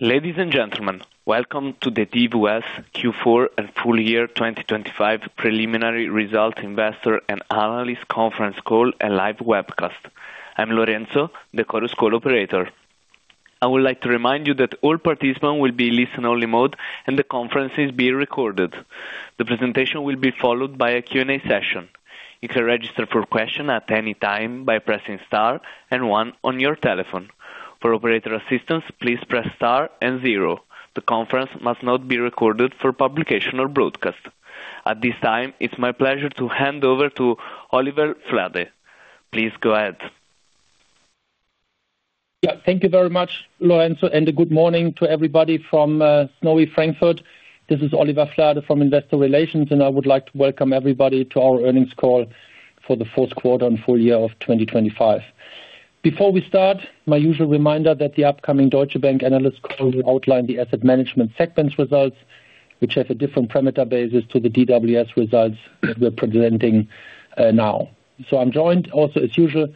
Ladies and gentlemen, welcome to the DWS Q4 and full year 2025 preliminary results, investor and analyst conference call and live webcast. I'm Lorenzo, the Chorus Call operator. I would like to remind you that all participants will be in listen-only mode and the conference is being recorded. The presentation will be followed by a Q&A session. You can register for questions at any time by pressing star and one on your telephone. For operator assistance, please press star and zero. The conference must not be recorded for publication or broadcast at this time. It's my pleasure to hand over to Oliver Flade. Please go ahead. Thank you very much, Lorenzo. A good morning to everybody from Snowy Frankfurt. This is Oliver Flade from Investor Relations and I would like to welcome everybody to our earnings call for the fourth quarter and full year of 2025. Before we start, my usual reminder that the upcoming Deutsche Bank analyst call will outline the asset management segment's results which have a different parameter basis to the DWS results we're presenting now. I'm joined also as usual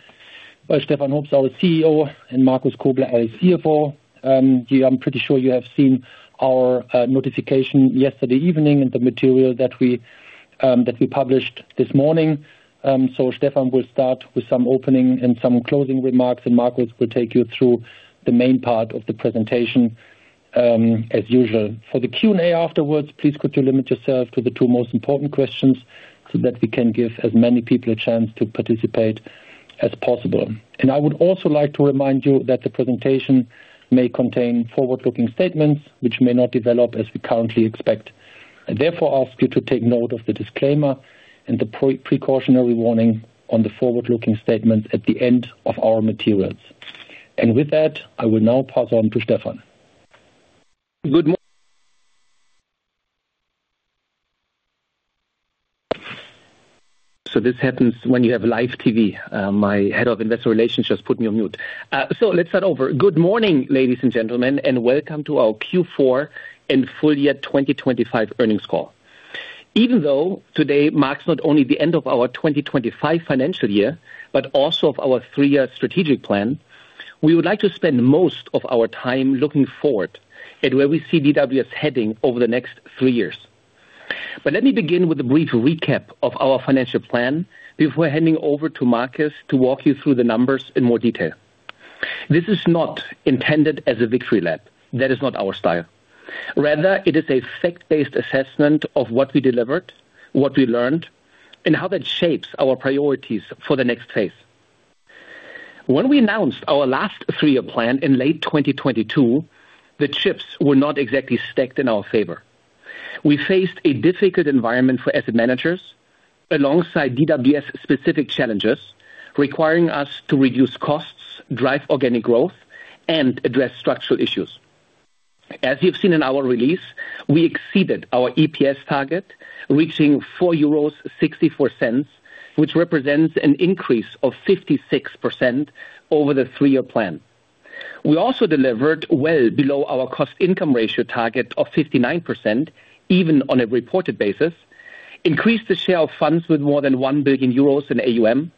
by Stefan Hoops, our CEO and Markus Kobler, our CFO. I'm pretty sure you have seen our notification yesterday evening and the material that we published this morning. Stefan will start with some opening and some closing remarks and Markus will take you through the main part of the presentation as usual for the Q&A afterwards. Please could you limit yourself to the two most important questions so that we can give as many people a chance to participate as possible. I would also like to remind you that the presentation may contain forward-looking statements which may not develop as we currently expect. I therefore ask you to take note of the disclaimer and the precautionary warning on the forward-looking statements at the end of our materials. With that, I will now pass on to Stefan. Good morning. So this happens when you have live TV? My Head of Investor Relations just put me on mute. So let's start over. Good morning ladies and gentlemen and welcome to our Q4 and full year 2025 earnings call. Even though today marks not only the end of our 2025 financial year, but also of our three-year strategic plan, we would like to spend most of our time looking forward at where we see DWS heading over the next three years. But let me begin with a brief recap of our financial plan before handing over to Markus to walk you through the numbers in more detail. This is not intended as a victory lap. That is not our style. Rather, it is a fact-based assessment of what we delivered, what we learned, and how that shapes our priorities for the next phase. When we announced our last three-year plan in late 2022, the chips were not exactly stacked in our favor. We faced a difficult environment for asset managers alongside DWS's specific challenges requiring us to reduce costs, drive organic growth and address structural issues. As you've seen in our release, we exceeded our EPS target reaching 4.64 euros which represents an increase of 56% over the three-year plan. We also delivered well below our cost income ratio target of 59% even on a reported basis, increased the share of funds with more than 1 billion euros in AUM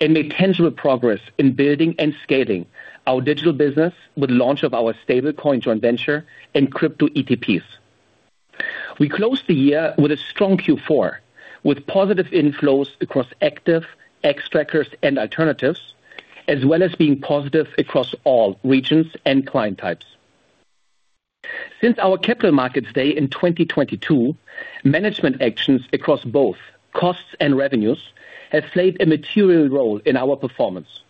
and made tangible progress in building and scaling our digital business with launch of our stablecoin joint venture and crypto ETPs. We closed the year with a strong Q4 with positive inflows across active, Xtrackers, and alternatives as well as being positive across all regions and client types. Since our capital markets day in 2022, management actions across both costs and revenues have played a material role in our performance.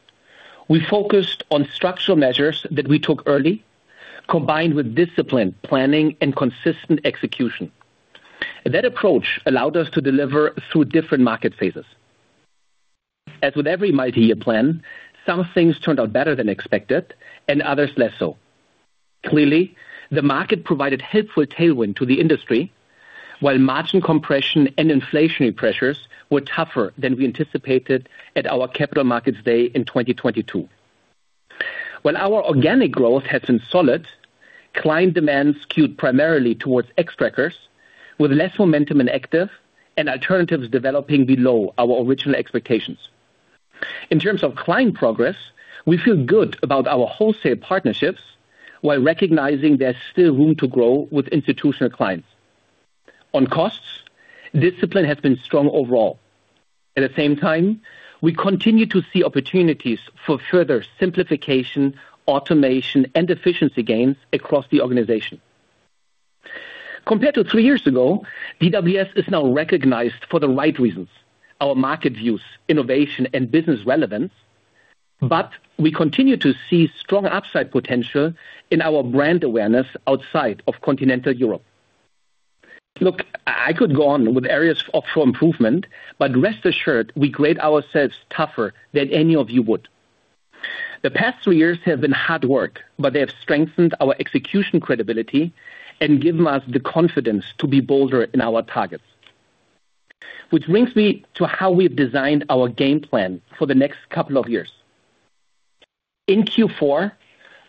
We focused on structural measures that we took early, combined with disciplined planning and consistent execution. That approach allowed us to deliver through different market phases. As with every multi-year plan, some things turned out better than expected and others less so. Clearly the market provided helpful tailwind to the industry while margin compression and inflationary pressures were tougher than we anticipated at our capital markets day in 2022. While our organic growth has been solid, client demand skewed primarily towards Xtrackers with less momentum in active and alternatives developing below our original expectations. In terms of client progress, we feel good about our wholesale partnerships while recognizing there's still room to grow with institutional clients on costs. Discipline has been strong overall. At the same time, we continue to see opportunities for further simplification, automation and efficiency gains across the organization compared to three years ago. DWS is now recognized for the right reasons, our market views, innovation and business relevance, but we continue to see strong upside potential in our brand awareness outside of continental Europe. Look, I could go on with areas of offshore improvement, but rest assured we grade ourselves tougher than any of you would. The past three years have been hard work, but they have strengthened our execution credibility and given us the confidence to be bolder in our targets. Which brings me to how we've designed our game plan for the next couple of years in Q4.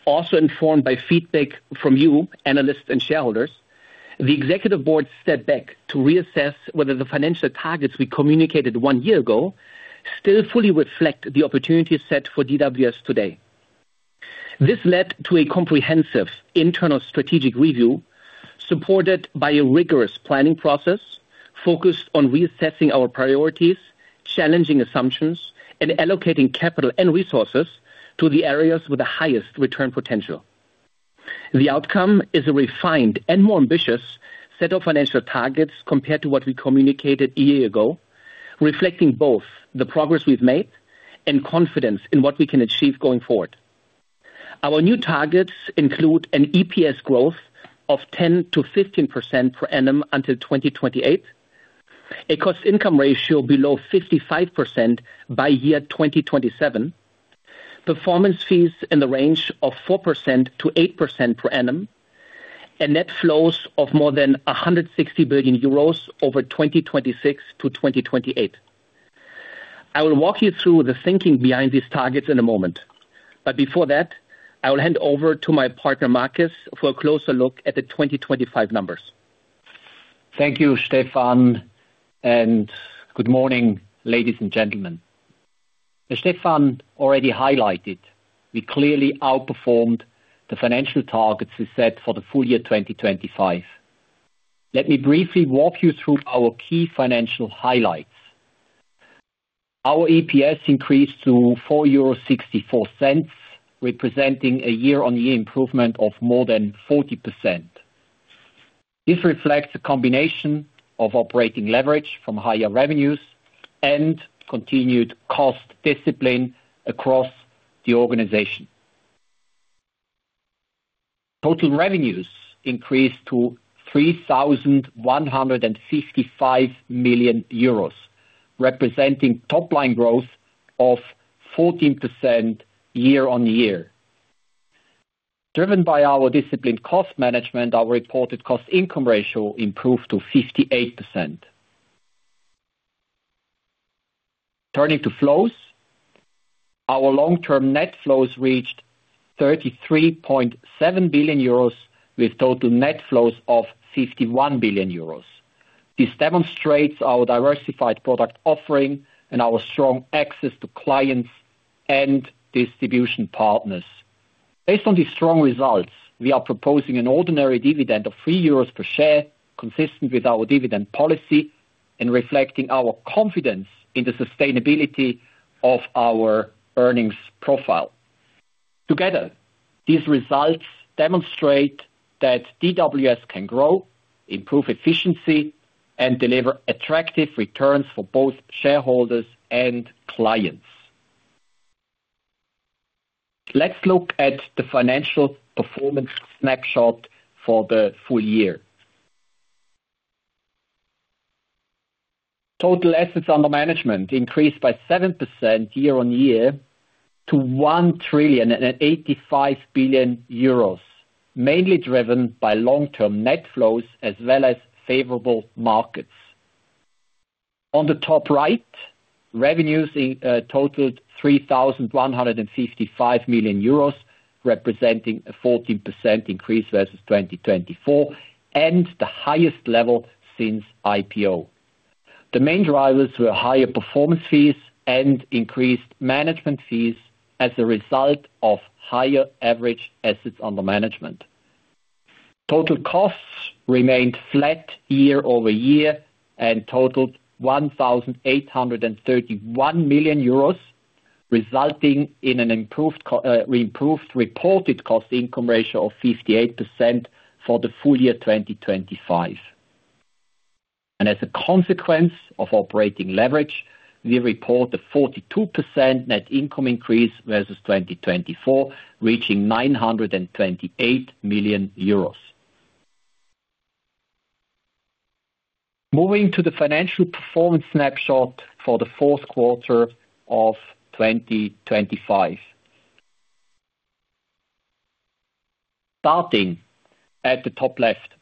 Also informed by feedback from you analysts and shareholders, the Executive Board stepped back to reassess whether the financial targets we communicated one year ago still fully reflect the opportunities set for DWS today. This led to a comprehensive internal strategic review supported by a rigorous planning process focused on reassessing our priorities, challenging assumptions and allocating capital and resources to the areas with the highest return potential. The outcome is a refined and more ambitious set of financial targets compared to what we communicated a year ago, reflecting both the progress we've made and confidence in what we can achieve going forward. Our new targets include an EPS growth of 10%-15% per annum until 2028, a cost income ratio below 55% by year 2027, performance fees in the range of 4%-8% per annum, and net flows of more than 160 billion euros over 2026-2028. I will walk you through the thinking behind these targets in a moment, but before that I will hand over to my partner Markus for a closer look at the 2025 numbers. Thank you Stefan and good morning, ladies and gentlemen. As Stefan already highlighted, we clearly outperformed the financial targets we set for the full year 2025. Let me briefly walk you through our key financial highlights. Our EPS increased to 4.64 euro, representing a year-on-year improvement of more than 40%. This reflects a combination of operating leverage from higher revenues and continued cost discipline across the organization. Total revenues increased to 3,155 million euros, representing top line growth of 14% year-on-year, driven by our disciplined cost management. Our reported cost income ratio improved to 58%. Turning to flows, our long-term net flows reached 33.7 billion euros with total net flows of 51 billion euros. This demonstrates our diversified product offering and our strong access to clients and distribution partners. Based on these strong results, we are proposing an ordinary dividend of 3 euros per share, consistent with our dividend policy and reflecting our confidence in the sustainability of our earnings profile. Together, these results demonstrate that DWS can grow, improve efficiency and deliver attractive returns for both shareholders and clients. Let's look at the financial performance snapshot for the full year. Total assets under management increased by 7% year-over-year to 1,085 billion euros, mainly driven by long-term net flows as well as favorable markets. On the top right, revenues totaled 3,155 million euros, representing a 14% increase versus 2024 and the highest level since IPO. The main drivers were higher performance fees and increased management fees. As a result of higher average assets under management, total costs remained flat year-over-year and totaled 1,831 million euros, resulting in an improved reported cost income ratio of 58% for the full year 2025. As a consequence of operating leverage, we report a 42% net income increase versus 2024 reaching EUR 928 million. Moving to the financial performance snapshot for the fourth quarter of 2025, starting at the top left,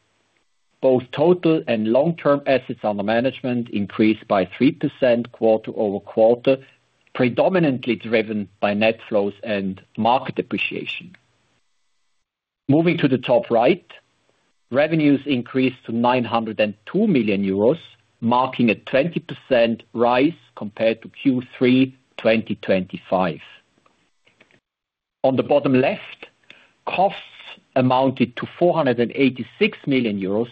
both total and long-term assets under management increased by 3% quarter-over-quarter, predominantly driven by net flows and market appreciation. Moving to the top right, revenues increased to 902 million euros, marking a 20% rise compared to Q3 2025. On the bottom left, costs amounted to 486 million euros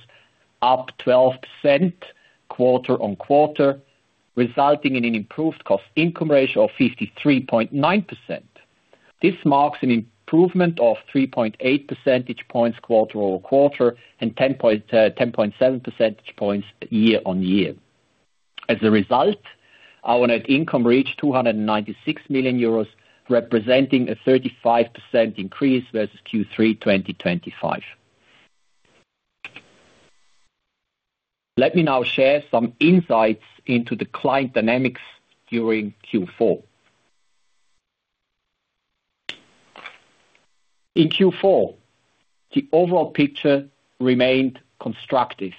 up 12% quarter-over-quarter, resulting in an improved cost income ratio of 53.9%. This marks an improvement of 3.8 percentage points quarter-over-quarter and 10.7 percentage points year-over-year. As a result, our net income reached 296 million euros representing a 35% increase versus Q3 2025. Let me now share some insights into the client dynamics during Q4. In Q4 the overall picture remained constructive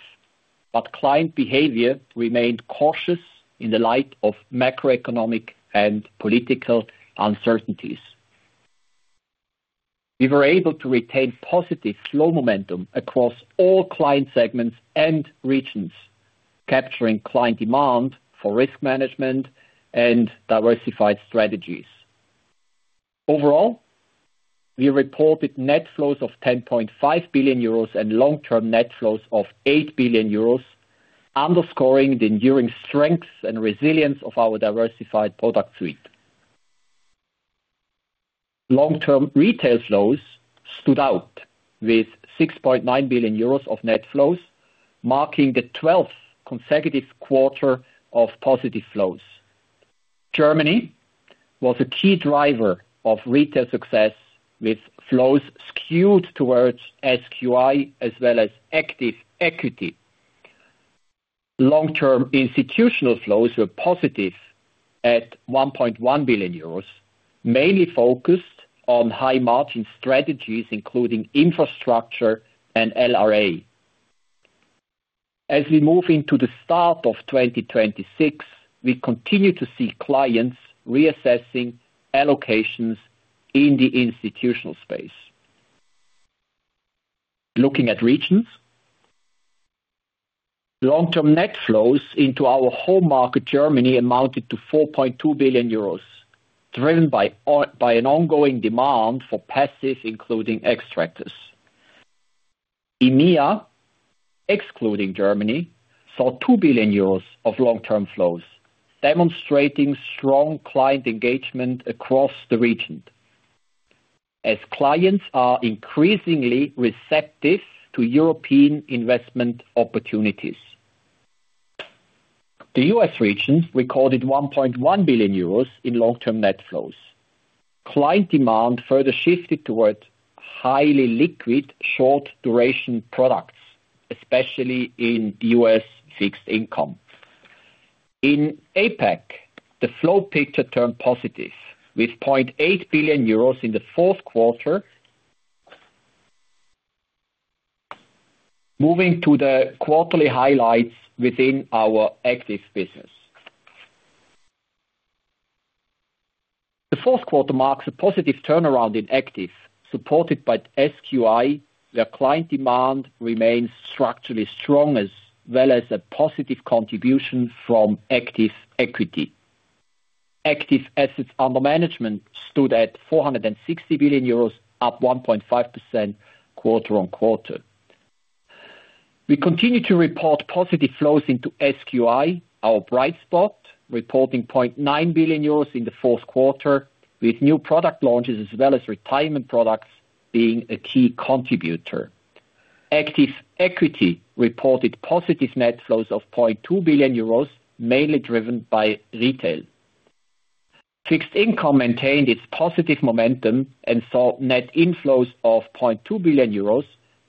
but client behavior remained cautious. In the light of macroeconomic and political uncertainties, we were able to retain positive flow momentum across all client segments and regions, capturing client demand for risk management and diversified strategies. Overall, we reported net flows of 10.5 billion euros and long-term net flows of 8 billion euros, underscoring the enduring strength and resilience of our diversified product suite. Long-term retail flows stood out with 6.9 billion euros of net flows, marking the 12th consecutive quarter of positive flows. Germany was a key driver of retail success with flows skewed towards SQI as well as Active Equity. Long-term institutional flows were positive at 1.1 billion euros, mainly focused on high-margin strategies including infrastructure and LRA. As we move into the start of 2026, we continue to see clients reassessing allocations in the institutional space. Looking at regions long-term net flows into our home market, Germany amounted to 4.2 billion euros driven by an ongoing demand for passive including Xtrackers. EMEA excluding Germany saw 2 billion euros of long term flows, demonstrating strong client engagement across the region as clients are increasingly receptive to European investment opportunities. The U.S. region recorded 1.1 billion euros in long term net flows. Client demand further shifted toward highly liquid short duration products, especially in U.S. fixed income. In APEC, the flow picture turned positive with 0.8 billion euros in the fourth quarter. Moving to the quarterly highlights within our active business, the fourth quarter marks a positive turnaround in active supported by SQI where client demand remains structurally strong as well as a positive contribution from Active Equity. Active assets under management stood at 460 billion euros up 1.5% quarter-on-quarter. We continue to report positive flows into SQI. Our bright spot reporting 0.9 billion euros in the fourth quarter with new product launches as well as retirement products being a key contributor. Active Equity reported positive net flows of 0.2 billion euros mainly driven by retail. Fixed Income maintained its positive momentum and saw net inflows of 0.2 billion euros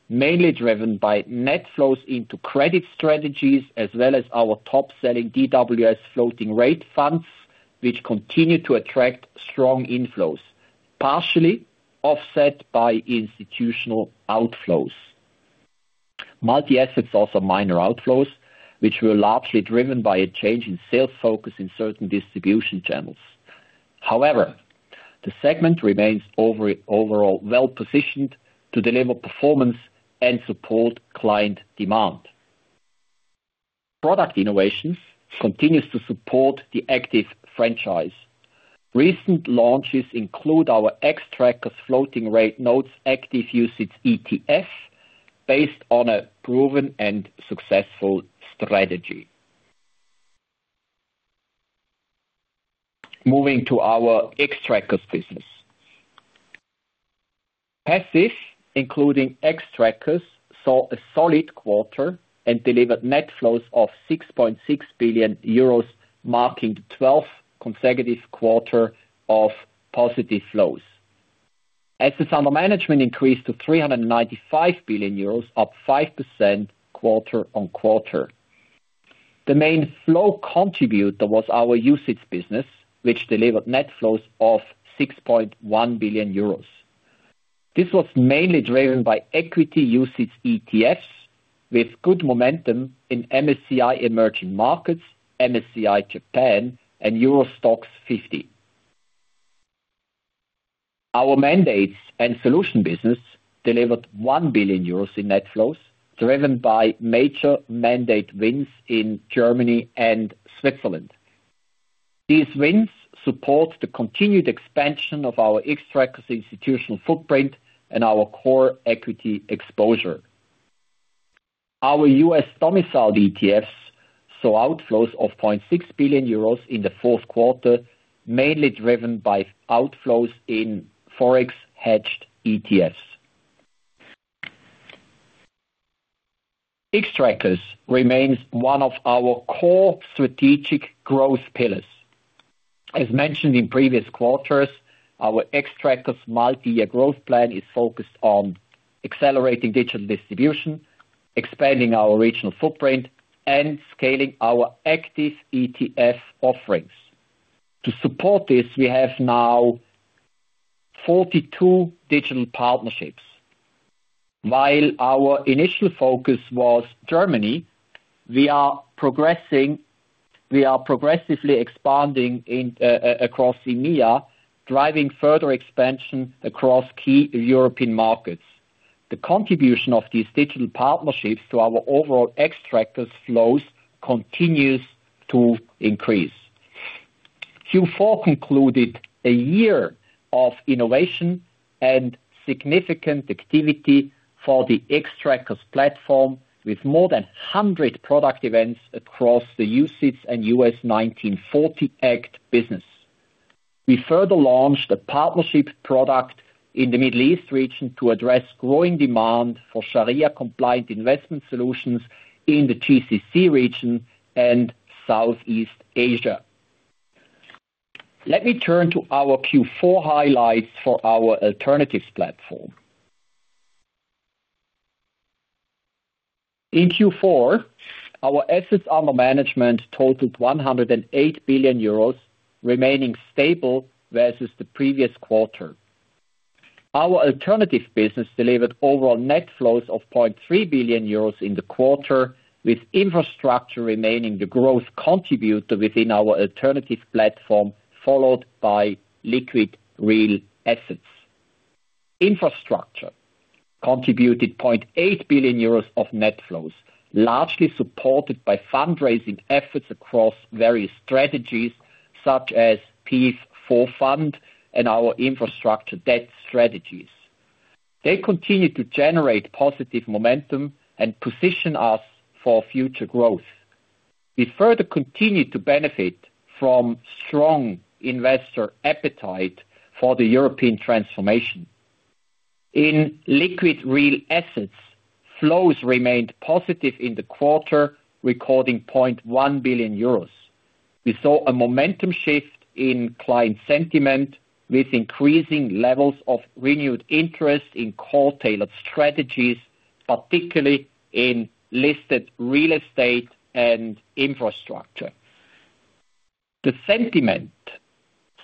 mainly driven by net flows into credit strategies as well as our top-selling DWS Floating Rate funds which continue to attract strong inflows partially offset by institutional outflows. Multi Asset also [had] minor outflows which were largely driven by a change in sales focus in certain distribution channels. However, the segment remains overall well positioned to deliver performance and support client demand. Product Innovations continues to support the active franchise. Recent launches include our Xtrackers Floating Rate Notes Active UCITS ETF based on a proven and successful strategy moving to our Xtrackers business. Passive including Xtrackers saw a solid quarter and delivered net flows of 6.6 billion euros marking the 12th consecutive quarter of positive flows. Assets under management increased to 395 billion euros up 5% quarter-on-quarter. The main flow contributor was our UCITS business which delivered net flows of 6.1 billion euros. This was mainly driven by Equity UCITS ETFs with good momentum in MSCI Emerging Markets, MSCI Japan and Euro Stoxx 50. Our mandates and solution business delivered 1 billion euros in net flows driven by major mandate wins in Germany and Switzerland. These wins support the continued expansion of our Xtrackers institutional footprint and our core equity exposure. Our U.S. domiciled ETFs saw outflows of 0.6 billion euros in the fourth quarter mainly driven by outflows in forex hedged ETFs. Xtrackers remains one of our core strategic growth pillars. As mentioned in previous quarters, our Xtrackers multi-year growth plan is focused on accelerating digital distribution, expanding our regional footprint and scaling our active ETF offerings. To support this we have now 42 digital partnerships. While our initial focus was Germany, we are progressing. We are progressively expanding across EMEA driving further expansion across key European markets. The contribution of these digital partnerships to our overall Xtrackers flows continues to increase. Q4 concluded a year of innovation and significant activity for the Xtrackers platform with more than 100 product events across the UCITS and U.S. 1940 Act business. We further launched a partnership product in the Middle East region to address growing demand for Sharia compliant investment solutions in the GCC region and Southeast Asia. Let me turn to our Q4 highlights for our alternatives platform. In Q4, our assets under management totaled 108 billion euros, remaining stable versus the previous quarter. Our alternative business delivered overall net flows of 0.3 billion euros in the quarter with infrastructure remaining the growth contributor within our alternative platform, followed by Liquid Real Assets. Infrastructure contributed 0.8 billion euros of net flows, largely supported by fundraising efforts across various strategies such as PEIF IV Fund and our infrastructure debt strategies. They continue to generate positive momentum and position us for future growth. We further continue to benefit from strong investor appetite for the European transformation in Liquid Real Assets. Flows remained positive in the quarter, recording 0.1 billion euros. We saw a momentum shift in client sentiment with increasing levels of real renewed interest in core tailored strategies, particularly in listed real estate and infrastructure. The sentiment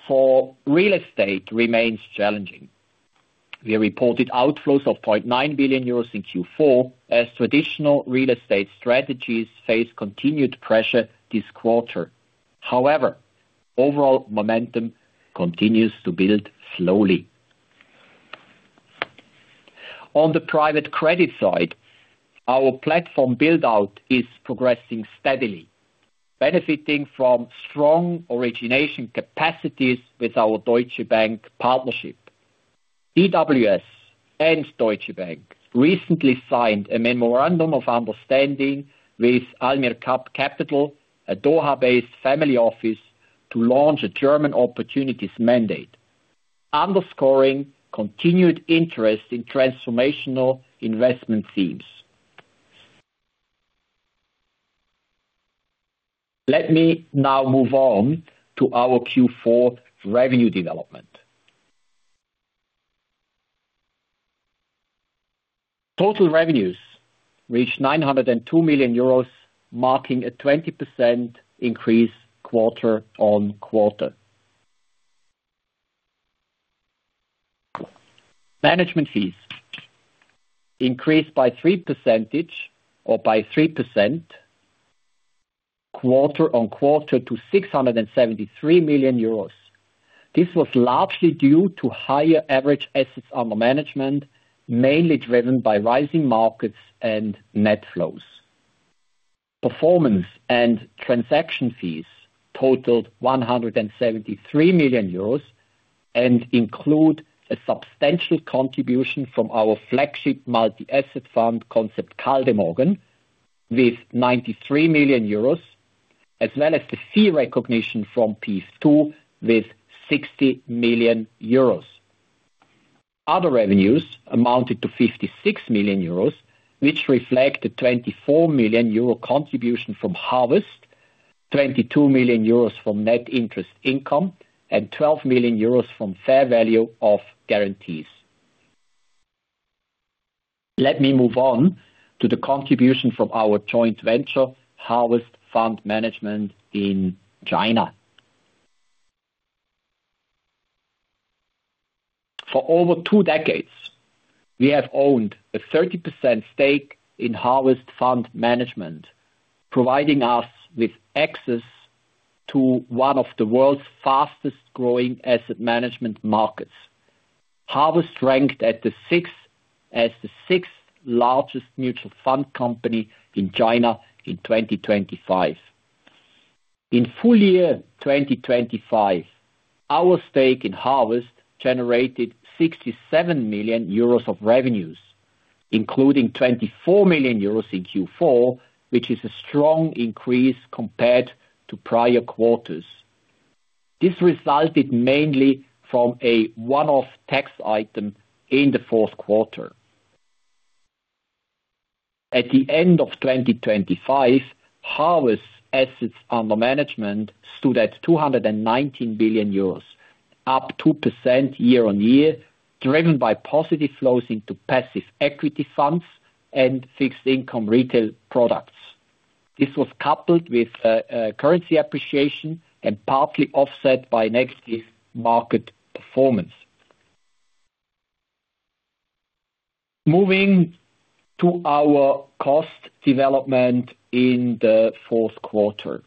for real estate remains challenging. We reported outflows of 0.9 billion euros in Q4 as traditional real estate strategies face continued pressure this quarter. However, overall momentum continues to build slowly. On the private credit side, our platform build out is progressing steadily, benefiting from strong origination capacities with our Deutsche Bank partnership. DWS and Deutsche Bank recently signed a Memorandum of Understanding with Al Mirqab Capital, a Doha-based family office, to launch a German Opportunities mandate underscoring continued interest in transformational investment themes. Let me now move on to our Q4 revenue development. Total revenues reached 902 million euros, marking a 20% increase quarter-on-quarter. Management fees increased by 3% quarter-on-quarter to 673 million euros. This was largely due to higher average assets under management mainly driven by rising markets and net flows. Performance and transaction fees totaled 173 million euros and include a substantial contribution from our flagship multi-asset fund DWS Concept Kaldemorgen with 93 million euros as well as the fee recognition from PEIF II with 60 million euros. Other revenues amounted to 56 million euros which reflect a 24 million euro contribution from Harvest, 22 million euros from net interest income and 12 million euros from fair value of guarantees. Let me move on to the contribution from our joint venture Harvest Fund Management in China. For over two decades we have owned a 30% stake in Harvest Fund Management, providing us with access to one of the world's fastest growing asset management markets. Harvest ranked at the 6th as the 6th largest mutual fund company in China in 2025. In full year 2025, our stake in Harvest generated 67 million euros of revenues including 24 million euros in Q4 which is a strong increase compared to prior quarters. This resulted mainly from a one-off tax item in the fourth quarter. At the end of 2025 Harvest's assets under management stood at 219 billion euros, up 2% year-on-year, driven by positive flows into passive equity funds and fixed income retail products. This was coupled with currency appreciation and partly offset by next year's market performance. Moving to our cost development in the fourth quarter.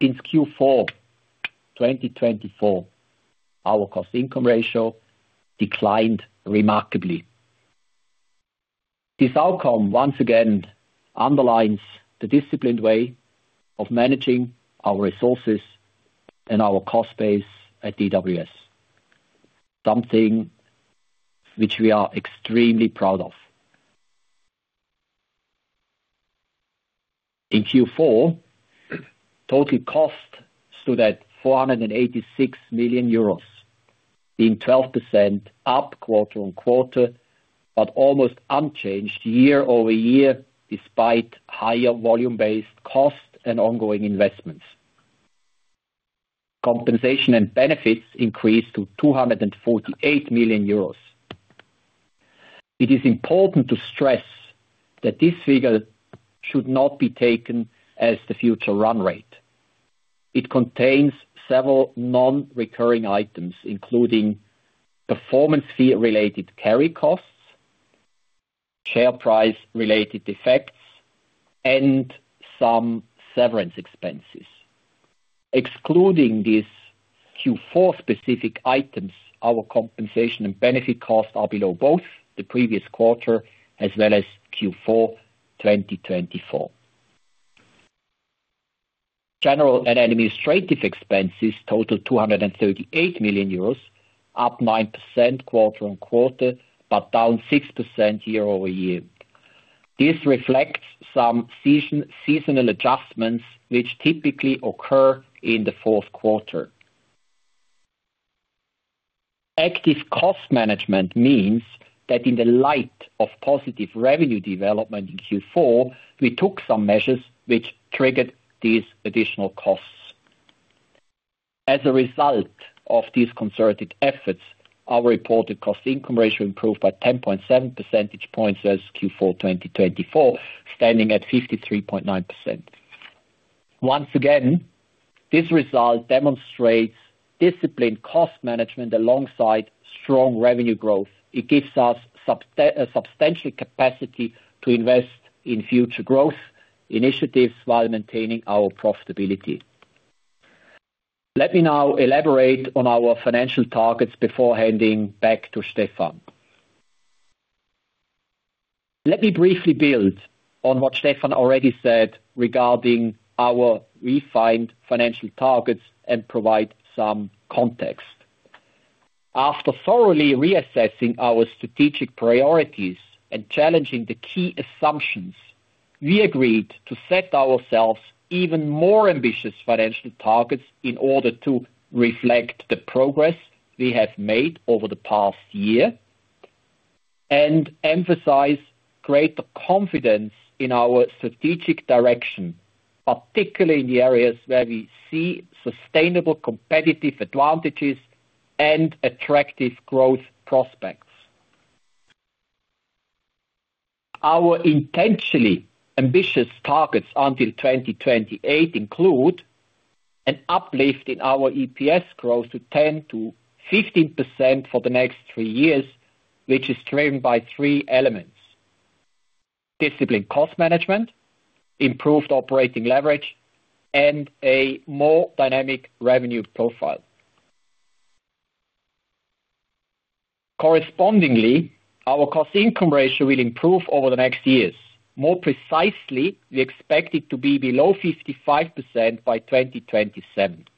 In Q4 2024, our cost income ratio declined remarkably. This outcome once again underlines the disciplined way of managing our resources and our cost base at DWS, something which we are extremely proud of. In Q4 total cost stood at 486 million euros, being 12% up quarter-over-quarter but almost unchanged year-over-year. Despite higher volume-based cost and ongoing investments. Compensation and benefits increased to 248 million euros. It is important to stress that this figure should not be taken as the future run rate. It contains several non-recurring items including performance fee, related carry costs, share-price-related effects and some severance expenses. Excluding these Q4-specific items, our compensation and benefit cost are below both the previous quarter as well as Q4 2024. General and administrative expenses total 238 million euros, up 9% quarter-on-quarter but down 6% year-over-year. This reflects some seasonal adjustments which typically occur in the fourth quarter. Active cost management means that in the light of positive revenue development in Q4 we took some measures which triggered these additional costs. As a result of these concerted efforts, our reported cost income ratio improved by 10.7 percentage points in Q4 2024, standing at 53.9%. Once again, this result demonstrates disciplined cost management alongside strong revenue growth. It gives us substantial capacity to invest in future growth initiatives while maintaining our profitability. Let me now elaborate on our financial targets before handing back to Stefan. Let me briefly build on what Stefan already said regarding our refined financial targets and provide some context. After thoroughly reassessing our strategic priorities and challenging the key assumptions, we agreed to set ourselves even more ambitious financial targets in order to reflect the progress we have made over the past year and emphasize greater confidence in our strategic direction, particularly in the areas where we see sustainable competitive advantages and attractive growth prospects. Our intentionally ambitious targets until 2028 include an uplift in our EPS growth to 10%-15% for the next three years, which is driven by three elements. Disciplined cost management, improved operating leverage and a more dynamic revenue profile. Correspondingly, our Cost Income Ratio will improve over the next years. More precisely, we expect it to be below 55% by 2027.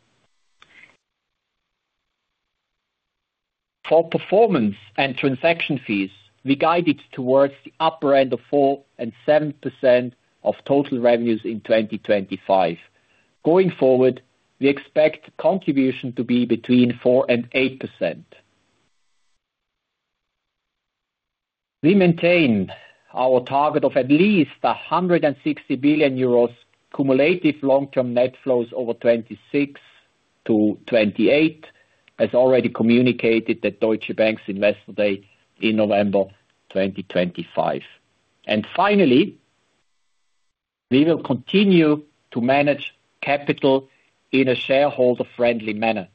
For performance and transaction fees, we guided towards the upper end of 4%-7% of total revenues in 2025. Going forward, we expect contribution to be between 4%-8%. We maintain our target of at least 160 billion euros. Cumulative long term net flows over 2026-2028 as already communicated at Deutsche Bank's investor day in November 2025. Finally, we will continue to manage capital in a shareholder friendly manner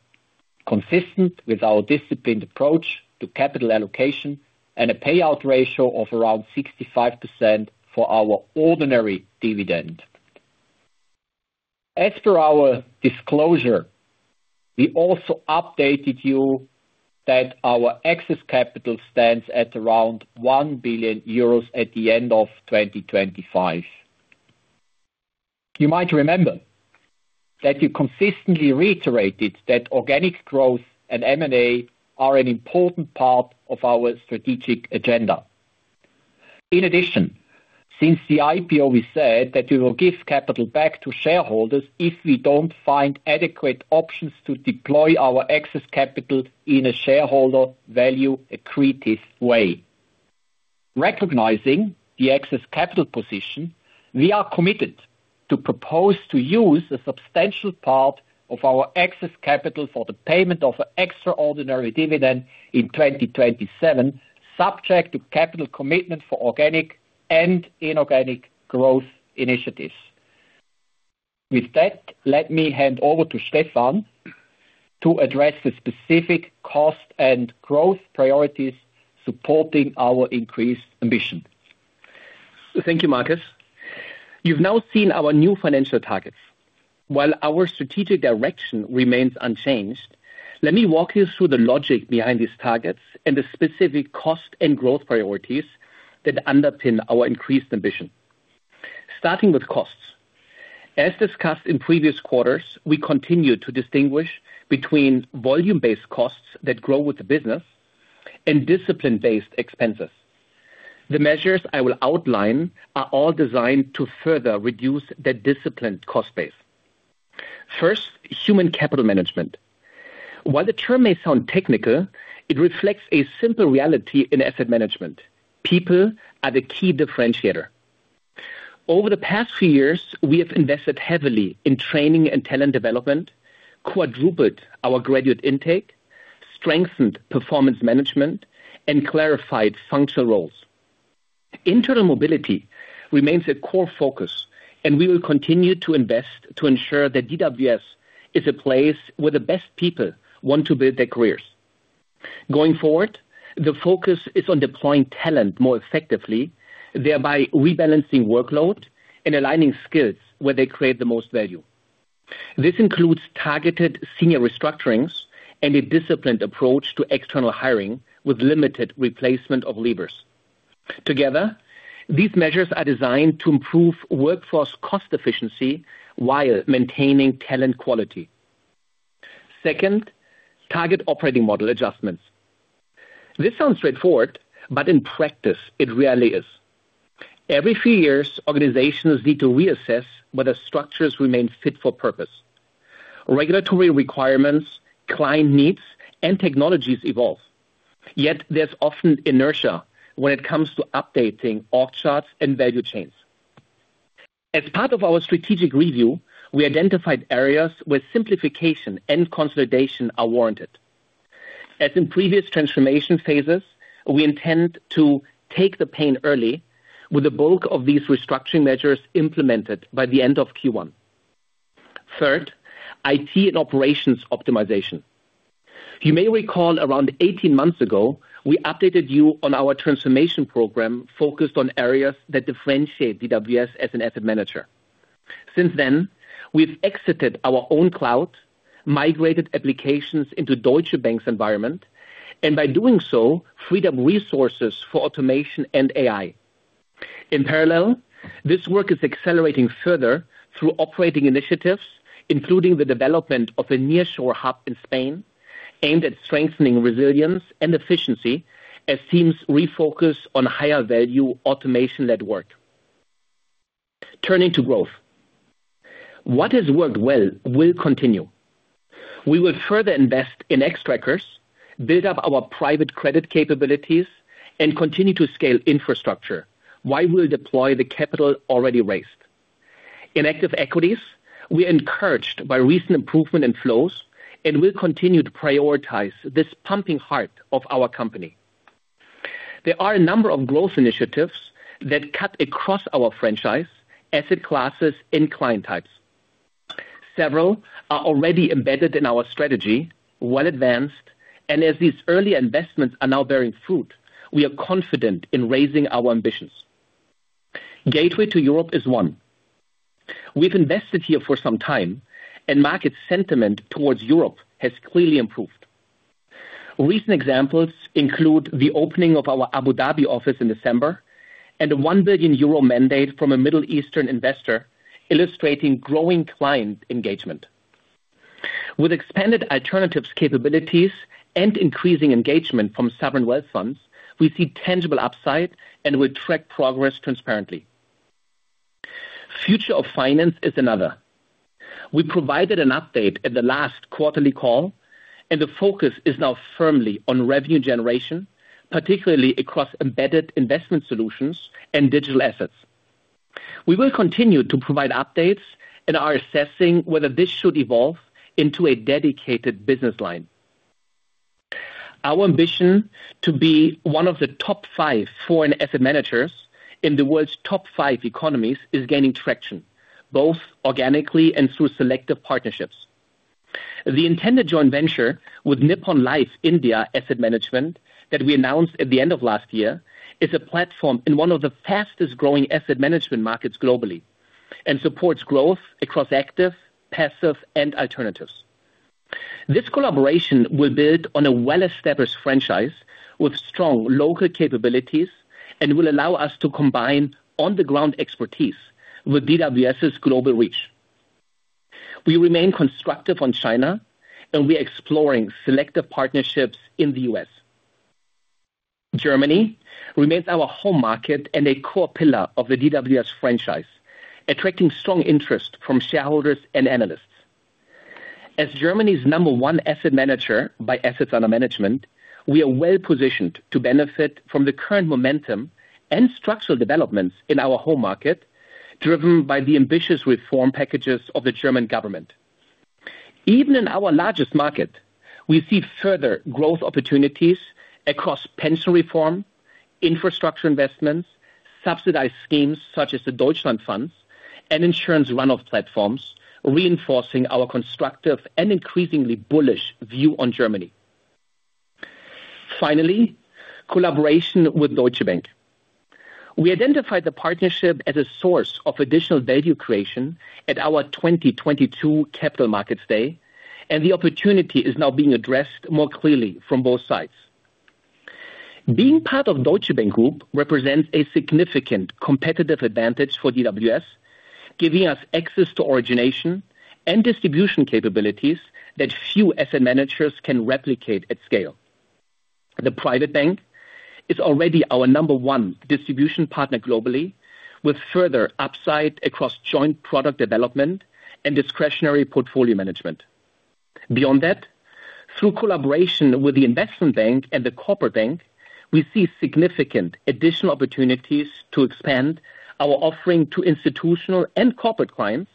consistent with our disciplined approach to capital allocation and a payout ratio of around 65% for our ordinary dividend. As per our disclosure, we also updated you that our excess capital stands at around 1 billion euros at the end of 2025. You might remember that you consistently reiterated that organic growth and M&A are an important part of our strategic agenda. In addition, since the IPO is said that we will give capital back to shareholders if we don't find adequate options to deploy our excess capital in a shareholder value-accretive way. Recognizing the excess capital position, we are committed to propose to use a substantial part of our excess capital for the payment of an extraordinary dividend in 2027, subject to capital commitment for organic and inorganic growth initiatives. With that, let me hand over to Stefan to address the specific cost and growth priorities supporting our increased ambition. Thank you, Markus. You've now seen our new financial targets while our strategic direction remains unchanged. Let me walk you through the logic behind these targets and the specific cost and growth priorities that underpin our increased ambition. Starting with costs. As discussed in previous quarters, we continue to distinguish between volume based costs that grow with the business and discipline based expenses. The measures I will outline are all designed to further reduce the disciplined cost base. First, human capital management. While the term may sound technical, it reflects a simple reality. In asset management, people are the key differentiator. Over the past few years, we have invested heavily in training and talent development, quadrupled our graduate intake, strengthened performance management and clarified functional roles. Internal mobility remains a core focus and we will continue to invest to ensure that. DWS is a place where the best people want to build their careers. Going forward, the focus is on deploying talent more effectively, thereby rebalancing workload and aligning skills where they create the most value. This includes targeted senior restructurings and a disciplined approach to external hiring with limited replacement of levers. Together, these measures are designed to improve workforce cost efficiency while maintaining talent quality. Second, target operating model adjustments. This sounds straightforward, but in practice it rarely is. Every few years, organizations need to reassess whether structures remain fit for purpose, regulatory requirements, client needs and technologies evolve. Yet there's often inertia when it comes to updating org charts and value chains. As part of our strategic review, we identified areas where simplification and consolidation are warranted. As in previous transformation phases, we intend to take the pain early, with the bulk of these restructuring measures implemented by the end of Q1 2023 IT and operations optimization. You may recall around 18 months ago we updated you on our transformation program focused on areas that differentiate DWS as an asset manager. Since then we've exited our own cloud, migrated applications into Deutsche Bank's environment and by doing so freed up resources for automation and AI. In parallel, this work is accelerating further through operating initiatives including the development of a nearshore hub in Spain aimed at strengthening resilience and efficiency as teams refocus on higher value automation-led work. Turning to Growth, what has worked well will continue. We will further invest in Xtrackers, build up our private credit capabilities and continue to scale infrastructure while we'll deploy the capital already raised in Active Equities. We are encouraged by recent improvement in flows and we'll continue to prioritize this pumping heart of our company. There are a number of growth initiatives that cut across our franchise, asset classes and client types. Several are already embedded in our strategy, well advanced and as these early investments are now bearing fruit, we are confident in raising our ambitions. Gateway to Europe is one. We've invested here for some time and market sentiment towards Europe has clearly improved. Recent examples include the opening of our Abu Dhabi office in December and a 1 billion euro mandate from a Middle Eastern investor illustrating growing client engagement with expanded alternatives capabilities and increasing engagement from sovereign wealth funds. We see tangible upside and will track progress transparently. Future of Finance is another. We provided an update at the last quarterly call and the focus is now firmly on revenue generation, particularly across embedded investment solutions and digital assets. We will continue to provide updates and are assessing whether this should evolve into a dedicated business line. Our ambition to be one of the top five foreign asset managers in the world's top five economies is gaining traction both organically and through selective partnerships. The intended joint venture with Nippon Life India Asset Management that we announced at the end of last year is a platform in one of the fastest growing asset management markets globally and supports growth across active, passive and alternatives. This collaboration will build on a well established franchise with strong local capabilities and will allow us to combine on the ground expertise with DWS's global reach. We remain constructive on China and we are exploring selective partnerships in the U.S. Germany remains our home market and a core pillar of the DWS franchise, attracting strong interest from shareholders and analysts. As Germany's number one asset manager by assets under management, we are well positioned to benefit from the current momentum and structural developments in our home market driven by the ambitious reform packages of the German government. Even in our largest market, we see further growth opportunities across pension reform, infrastructure investments, subsidized schemes such as the Deutschlandfonds and insurance runoff platforms, reinforcing our constructive and increasingly bullish view on Germany. Finally, collaboration with Deutsche Bank, we identified the partnership as a source of additional value creation at our 2022 Capital Markets Day and the opportunity is now being addressed more clearly from both sides. Being part of Deutsche Bank Group represents a significant competitive advantage for DWS, giving us access to origination and distribution capabilities that few asset managers can replicate at scale. The Private Bank is already our number one distribution partner globally, with further upside across joint product development and discretionary portfolio management. Beyond that, through collaboration with the Investment Bank and the Corporate Bank, we see significant additional opportunities to expand our offering to institutional and corporate clients,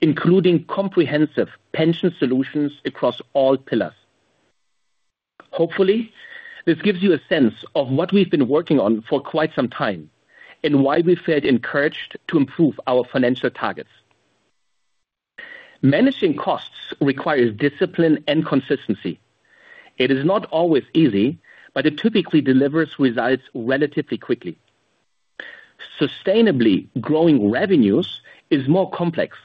including comprehensive pension solutions across all pillars. Hopefully this gives you a sense of what we've been working on for quite some time and why we felt encouraged to improve our financial targets. Managing costs requires discipline and consistency. It is not always easy, but it typically delivers results relatively quickly. Sustainably growing revenues is more complex.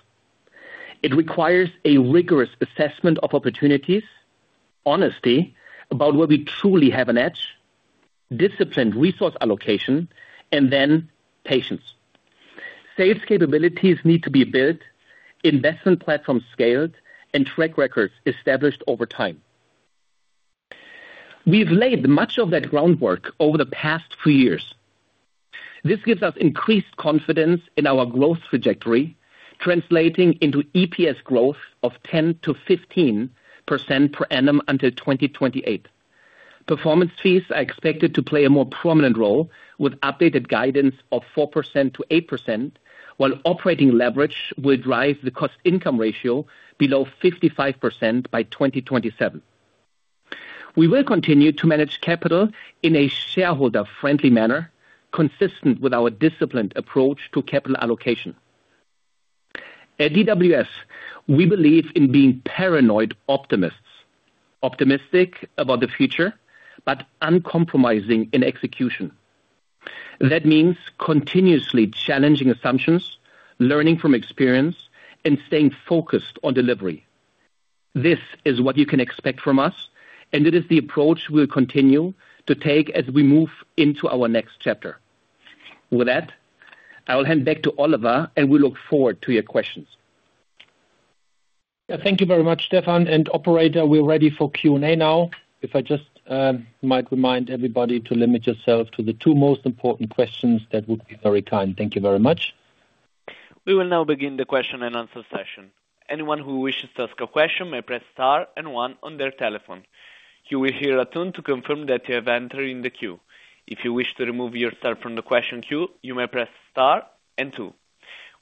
It requires a rigorous assessment of opportunities, honesty about where we truly have an edge, disciplined resource allocation and then patience. Sales capabilities need to be built, investment platforms scaled and track records established over time. We've laid much of that groundwork over the past few years. This gives us increased confidence in our growth trajectory, translating into EPS growth of 10%-15% per annum until 2028. Performance fees are expected to play a more prominent role with updated guidance on 4%-8%. While operating leverage will drive the cost income ratio below 55% by 2027, we will continue to manage capital in a shareholder friendly manner consistent with our disciplined approach to capital allocation. At DWS we believe in being paranoid optimists, optimistic about the future but uncompromising in execution. That means continuously challenging assumptions, learning from experience and staying focused on delivery. This is what you can expect from us and it is the approach we will continue to take as we move into our next chapter. With that I will hand back to Oliver and we look forward to your questions. Thank you very much. Stefan and Operator. We are ready for Q&A. Now if I just might remind everybody to limit yourself to the two most important questions, that would be very kind. Thank you very much. We will now begin the question and answer session. Anyone who wishes to ask a question may press star and one on their telephone. You will hear a tune to confirm that you have entered in the queue. If you wish to remove your star from the question queue, you may press star and two.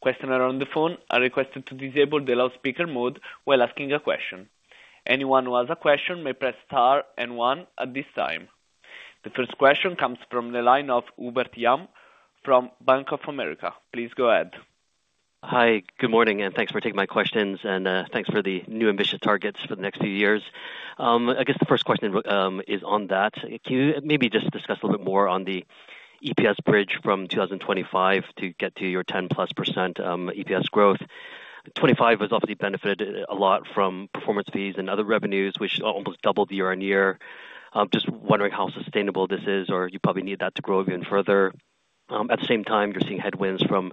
Questioners on the phone are requested to disable the loudspeaker mode while asking a question. Anyone who has a question may press star and one at this time. The first question comes from the line of Hubert Lam from Bank of America. Please go ahead. Hi, good morning, and thanks for taking my questions and thanks for the new ambitious targets for the next few years. I guess the first question is on that. Can you maybe just discuss a little bit more on the EPS bridge from 2025 to get to your 10% EPS growth? 2025 has obviously benefited a lot from performance fees and other revenues which almost doubled year-over-year. Just wondering how sustainable this is. Or you probably need that to grow even further. At the same time, you're seeing headwinds from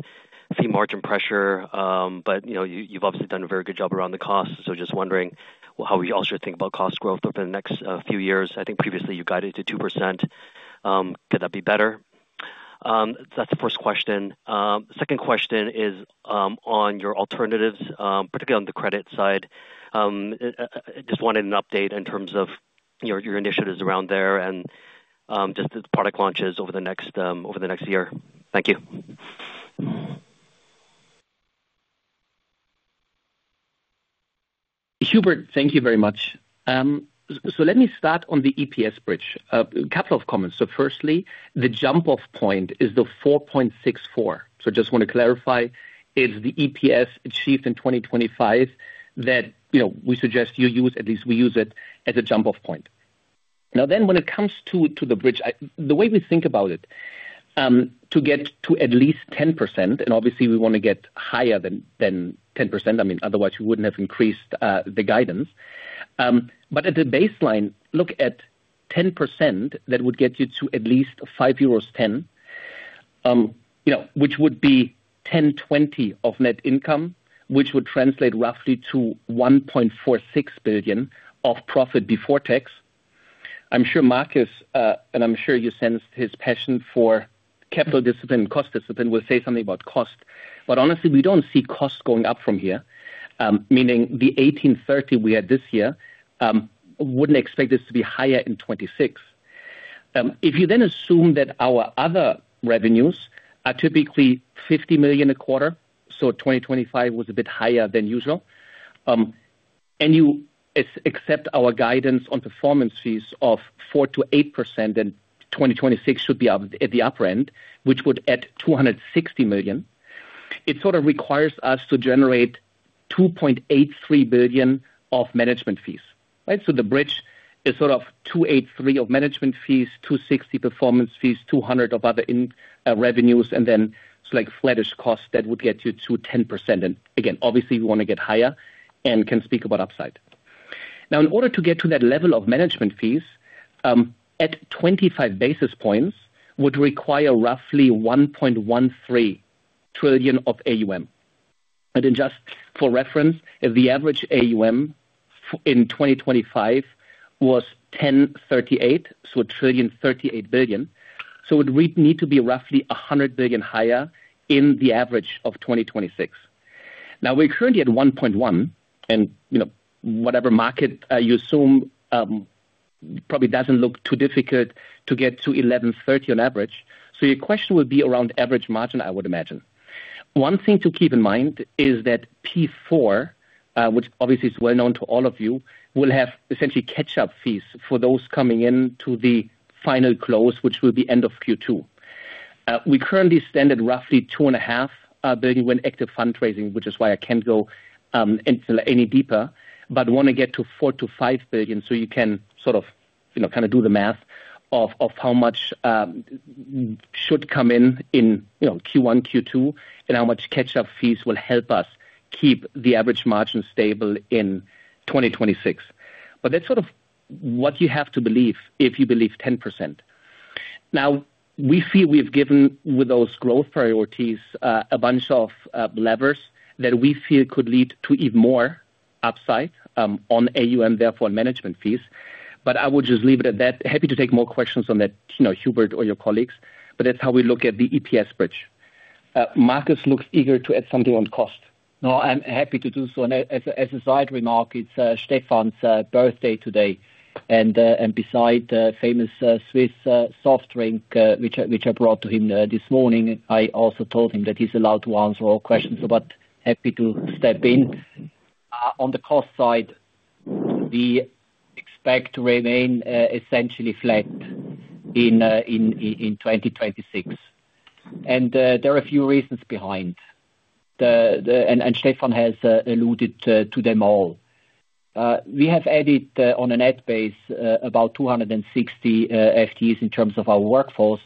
fee margin pressure. But you've obviously done a very good job around the cost. So just wondering how we all should think about cost growth over the next few years. I think previously you guided to 2%. Could that be better? That's the first question. Second question is on your alternatives, particularly on the credit side. I just wanted an update in terms of your initiatives around there and just the product launches over the next year. Thank you. Hubert. Thank you very much. Let me start on the EPS bridge. A couple of comments. Firstly, the jump off point is the 4.64. Just want to clarify, it's the EPS achieved in 2025 that, you know, we suggest you use. At least we use it as a jump off point. Now then when it comes to the bridge, the way we think about it, to get to at least 10% and obviously we want to get higher than 10%. I mean otherwise we wouldn't have increased the guidance. But at the baseline look at 10% that would get you to at least 5.10 euros, which would be 10%-20% of net income, which would translate roughly to 1.46 billion of profit before tax. I'm sure, Markus, and I'm sure you sensed his passion for capital discipline. Cost discipline will say something about cost, but honestly we don't see costs going up from here. Meaning the 1,830 we had this year wouldn't expect this to be higher in 2026 if you then assume that our other revenues are typically 50 million a quarter. So 2025 was a bit higher than usual and you accept our guidance on performance fees of 4%-8% and 2026 should be at the upper end, which would add 260 million. It sort of requires us to generate 2.83 billion of management fees. Right. So the bridge is sort of 283 million of management fees, 260 million performance fees, 200 million of other income revenues and then select flattish costs that would get you to 10%. And again, obviously we want to get higher and can speak about upside. Now, in order to get to that level of management fees at 25 basis points would require roughly 1.13 trillion of AUM. And just for reference, if the average AUM in 2025 was 1,038, so 1.038 trillion. So it would need to be roughly 100 billion higher in the average of 2026. Now we're currently at 1.1 trillion and whatever market you assume probably doesn't look too difficult to get to 1.13 trillion on average. So your question will be around average margin, I would imagine. One thing to keep in mind is that PEIF, which obviously is well known to all of you, will have essentially catch up fees for those coming in to the final close, which will be end of Q2. We currently stand at roughly 2.5 billion when active fundraising, which is why I can't go any deeper, but want to get to 4 billion-5 billion. So you can sort of, kind of do the math of how much should come in in Q1 Q2 and how much catch up fees will help us keep the average margin stable in 2026. But that's sort of what you have to believe if you believe 10%. Now we see we've given with those growth priorities a bunch of levers that we feel could lead to even more upside on AUM, therefore on management fees. But I would just leave it at that. Happy to take more questions on that, Hubert, or your colleagues, but that's how we look at the EPS bridge. Markus looks eager to add something on cost. No, I'm happy to do so. As a side remark, it's Stefan's birthday today and beside the famous Swiss soft drink which I brought to him this morning, I also told him that he's allowed to answer all questions, but happy to step in on the cost side. We expect to remain essentially flat in 2026 and there are a few reasons behind and Stefan has alluded to them all. We have added on a net basis about 260 FTEs in terms of our workforce.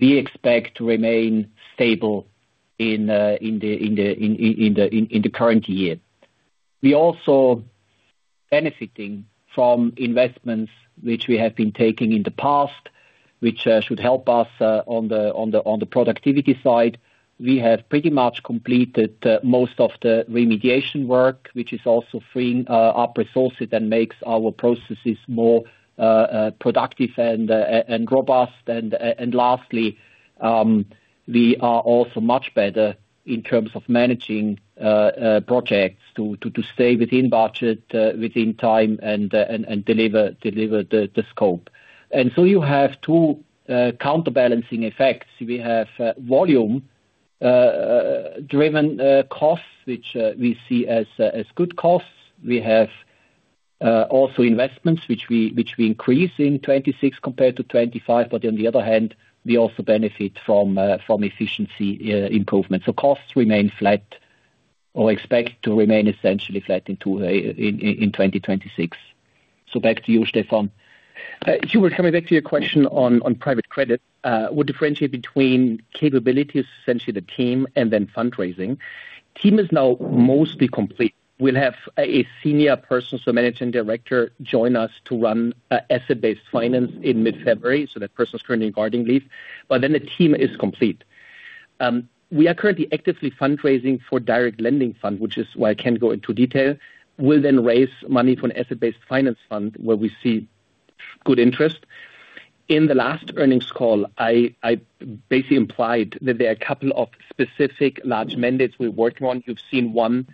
We expect to remain stable in the current year. We also benefiting from investments which we have been taking in the past, which should help us on the productivity side. We have pretty much completed most of the remediation work which is also freeing up resources and makes our processes more productive and robust. Lastly, we are also much better in terms of managing projects to stay within budget, within time and deliver the scope. So you have two counterbalancing effects. We have volume driven costs which we see as good costs. We have also investments which we increase in 2026 compared to 2025. But on the other hand we also benefit from efficiency improvements. So costs remain flat or expect to remain essentially flat in 2026. So back to you, Stefan. Hubert, coming back to your question. On private credit we differentiate between capabilities. Essentially the team and then fundraising team is now mostly complete. We'll have a senior person so managing director join us to run asset-based finance in mid-February. So that person is currently on gardening leave but then the team is complete. We are currently actively fundraising for direct lending fund which is why I can't go into detail. Will then raise money for an asset-based finance fund where we see good interest. In the last earnings call, I basically implied that there are a couple of specific large mandates we're working on. You've seen one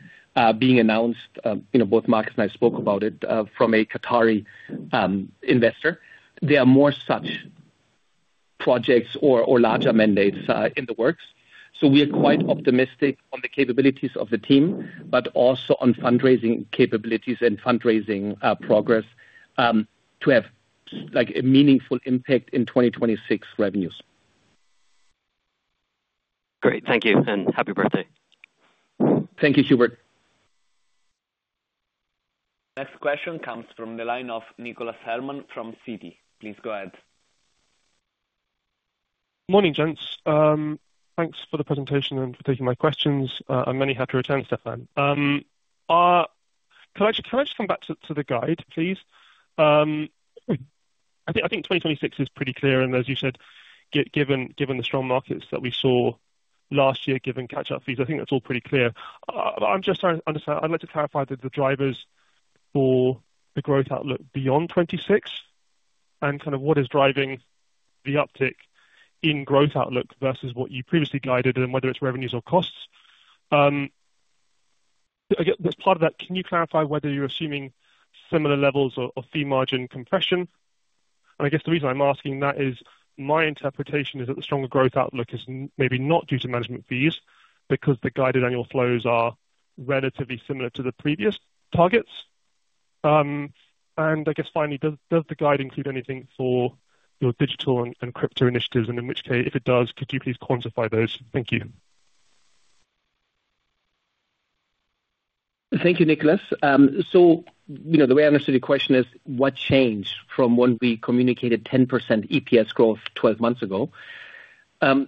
being announced. You know, both Markus and I spoke about it from a Qatari investor. There are more such projects or larger mandates in the works. So we are quite optimistic on the capabilities of the team, but also on fundraising capabilities and fundraising progress to have a meaningful impact in 2026 revenues. Great, thank you and happy birthday. Thank you Hubert. Next question comes from the line of Nicholas Herman from Citi. Please go ahead. Morning, gents. Thanks for the presentation and for taking my questions. Many happy returns, Stefan. Can I just come back to the guide please? I think 2026 is pretty clear and as you said, given the strong markets that we saw last year given catch up fees, I think it's all pretty clear. I'm just trying to understand. I'd like to clarify that the drivers for the growth outlook beyond 26 and kind of what is driving the uptick in growth outlook versus what you previously guided and whether it's revenues or costs. As part of that, can you clarify whether you're assuming similar levels of fee margin compression? And I guess the reason I'm asking that is my interpretation is that the stronger growth outlook is maybe not due to management fees because the guided annual flows are relatively similar to the previous targets. I guess finally, does the guide include anything for your digital and crypto initiatives, and in which case, if it does, could you please quantify those? Thank you. Thank you, Nicholas. So you know the way I understood your question is what changed from when we communicated 10% EPS growth 12 months ago? So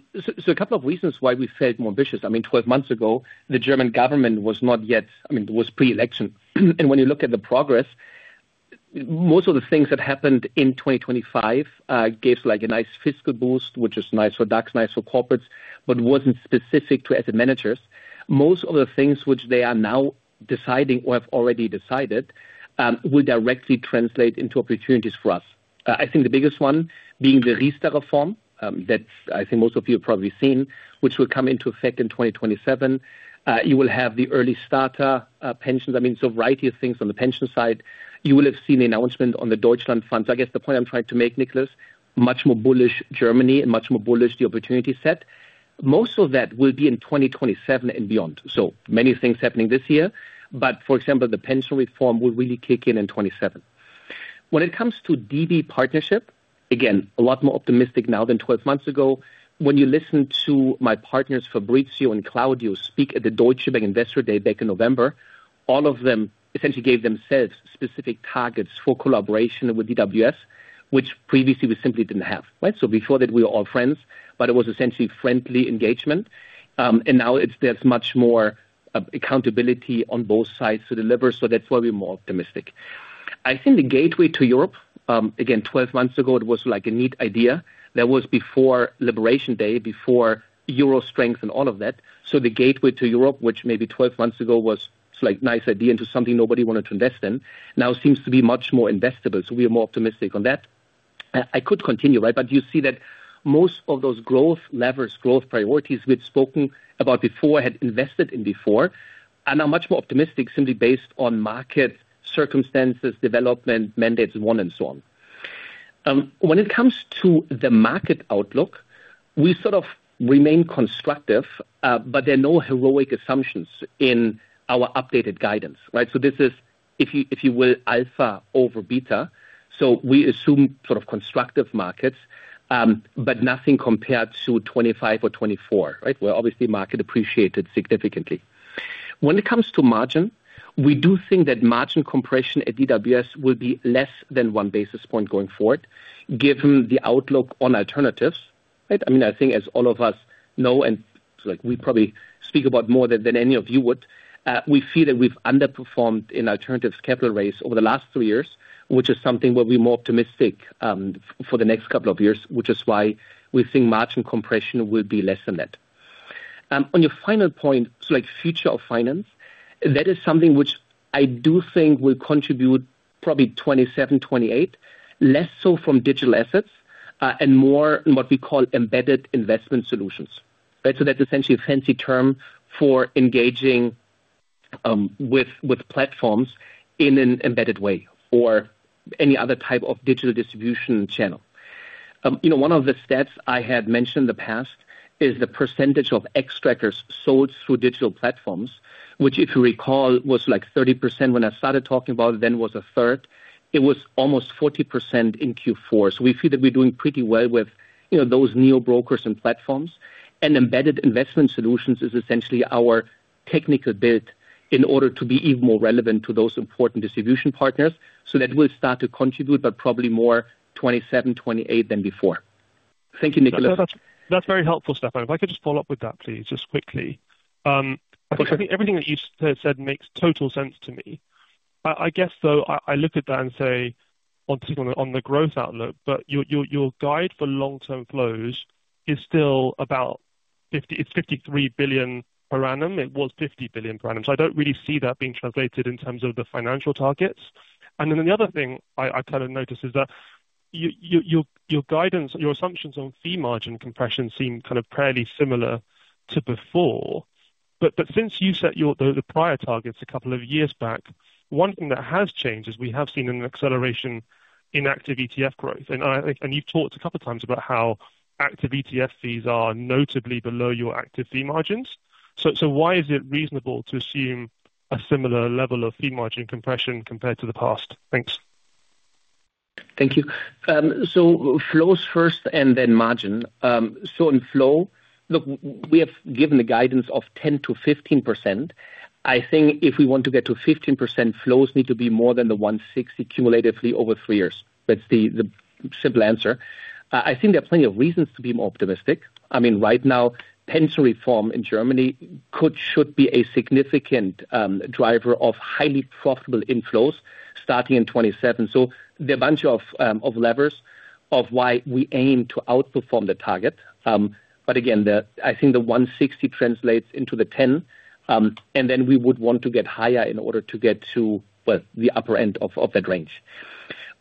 a couple of reasons why we felt more bullish. I mean, 12 months ago the German government was not yet. I mean it was pre-election and when you look at the progress, most of the things that happened in 2025 gave like a nice fiscal boost, which is nice for DAX, nice for corporates, but wasn't specific to asset managers. Most of the things which they are now deciding or have already decided will directly translate into opportunities for us. I think the biggest one being the Riester that I think most of you have probably seen, which will come into effect in 2027. You will have the early starter pensions. I mean, so variety of things on the pension side. You will have seen the announcement on the Deutschlandfonds. I guess the point I'm trying to make, Nicholas, much more bullish Germany and much more bullish. The opportunity set, most of that will be in 2027 and beyond. So many things happening this year. But for example, the pension reform will really kick in in 2027. When it comes to DB partnership, again, a lot more optimistic now than 12 months ago. When you listen to my partners Fabrizio Campelli and Claudio de Sanctis speak at the Deutsche Bank Investor Day back in November, all of them essentially gave themselves specific targets for collaboration with DWS, which previously we simply didn't have. So before that we were all friends, but it was essentially friendly engagement and now there's much more accountability on both sides to deliver. So that's why we're more optimistic. I think the Gateway to Europe again 12 months ago it was like a neat idea. That was before Liberation Day, before Euro strength and all of that. So the Gateway to Europe, which maybe 12 months ago was like nice idea into something nobody wanted to invest in, now seems to be much more investable. So we are more optimistic on that. I could continue. Right. But you see that most of those growth levers, growth priorities we've spoken about before, had invested in before and are much more optimistic simply based on market circumstances, development mandates one and so on. When it comes to the market outlook, we sort of remain constructive, but there are no heroic assumptions in our updated guidance. Right. So this is if you, if you will, alpha over beta. So we assume sort of constructive markets, but nothing compared to 2025 or 2024. Right. Where obviously market appreciated significantly when it comes to margin, we do think that margin compression at DWS will be less than one basis point going forward, given the outlook on alternatives. I mean, I think, as all of us know and we probably speak about more than any of you would. We feel that we've underperformed in alternatives capital raise over the last three years, which is something we'll be more optimistic for the next couple of years, which is why we think margin compression will be less than that. On your final point, like future of finance, that is something which I do think will contribute probably 2027, 2028 less so from digital assets and more what we call embedded investment solutions. So that's essentially a fancy term for engaging with platforms in an embedded way or any other type of digital distribution channel. You know, one of the stats I had mentioned in the past is the percentage of Xtrackers sold through digital platforms, which if you recall was like 30% when I started talking about it, then was a third. It was almost 40% in Q4. So we feel that we're doing pretty well with those new brokers and platforms and embedded investment solutions is essentially our technical bit in order to be even more relevant to those important distribution partners. So that will start to contribute, but probably more 2027, 2028 than before. Thank you, Nicholas, that's very helpful. Stefan, if I could just follow up with that, please. Just quickly. Everything that you said makes total sense to me, I guess though I look at that and say on the growth outlook, but your guide for long term flows is still about it's 53 billion per annum. It was 50 billion per annum. So I don't really see that being translated in terms of the financial targets. And then the other thing I kind of noticed is that your assumptions on fee margin compression seem kind of fairly similar to before. But since you set the prior targets a couple of years back, one thing that has changed is we have seen an acceleration in active ETF growth. And you've talked a couple of times about how active ETF fees are notably below your active fee margins. Why is it reasonable to assume a similar level of fee margin compression compared to the past? Thanks. Thank you. So, flows first and then margin. So in flow, look, we have given the guidance of 10%-15%. I think if we want to get to 15%, flows need to be more than the 160 cumulatively over three years. That's the simple answer. I think there are plenty of reasons to be more optimistic. I mean right now pension reform in Germany should be a significant driver of highly profitable inflows starting in 2027. So the bunch of levers of why we aim to outperform the target. But again that I think the 160 translates into the 10 and then we would want to get higher in order to get to the upper end of that range.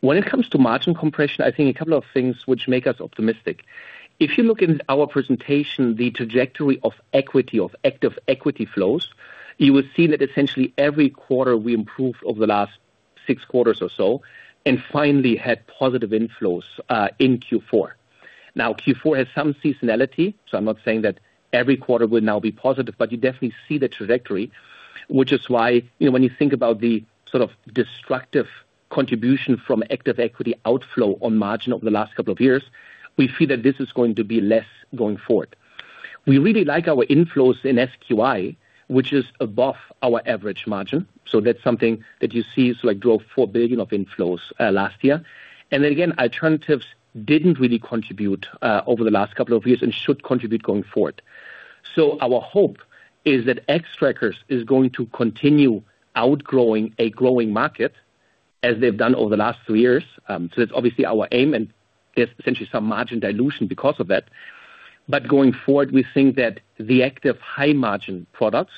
When it comes to margin compression, I think a couple of things which make us optimistic. If you look in our presentation, the trajectory of equity, of Active Equity flows, you will see that essentially every quarter we improve over the last 6 quarters or so and finally had positive inflows in Q4. Now Q4 has some seasonality, so I'm not saying that every quarter will now be positive, but you definitely see the trajectory, which is why, you know, when you think about the sort of destructive contribution from Active Equity outflow on margin over the last couple of years, we see that this is going to be less going forward. We really like our inflows in SQI, which is above our average margin. So that's something that you see drove 4 billion of inflows last year. And then again, alternatives didn't really contribute over the last couple of years and should contribute going forward. So our hope is that Xtrackers is going to continue outgrowing a growing market as they've done over the last three years. So that's obviously our aim and there's essentially some margin dilution because of that. But going forward we think that the active high margin products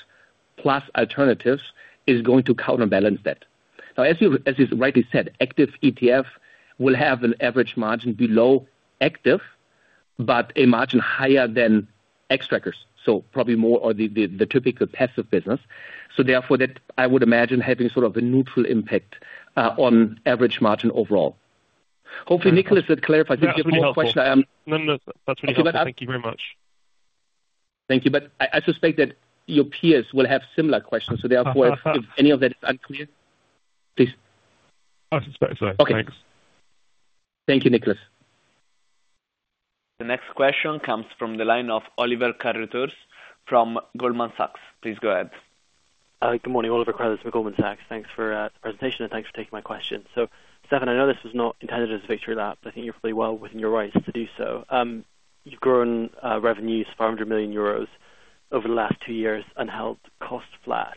plus alternatives is going to counterbalance that. Now as you, as you rightly said, active ETF will have an average margin below active, but a margin higher than Xtrackers. So probably more the typical passive business. So therefore that I would imagine having sort of a neutral impact on average margin overall. Hopefully Nicholas, that clarifies. No, that's really good. Thank you very much. Thank you. I suspect that your peers will have similar questions. Therefore, if any of that is unclear, please. I suspect so. Thanks. Thank you, Nicholas. The next question comes from the line of Oliver Carruthers from Goldman Sachs. Please go ahead. Good morning, Oliver Carruthers from Goldman Sachs. Thanks for the presentation and thanks for taking my question. So Stefan, I know this was not intended as a victory lap, but I think you're well within your rights to do so. You've grown revenues 500 million euros over the last two years and held cost flat.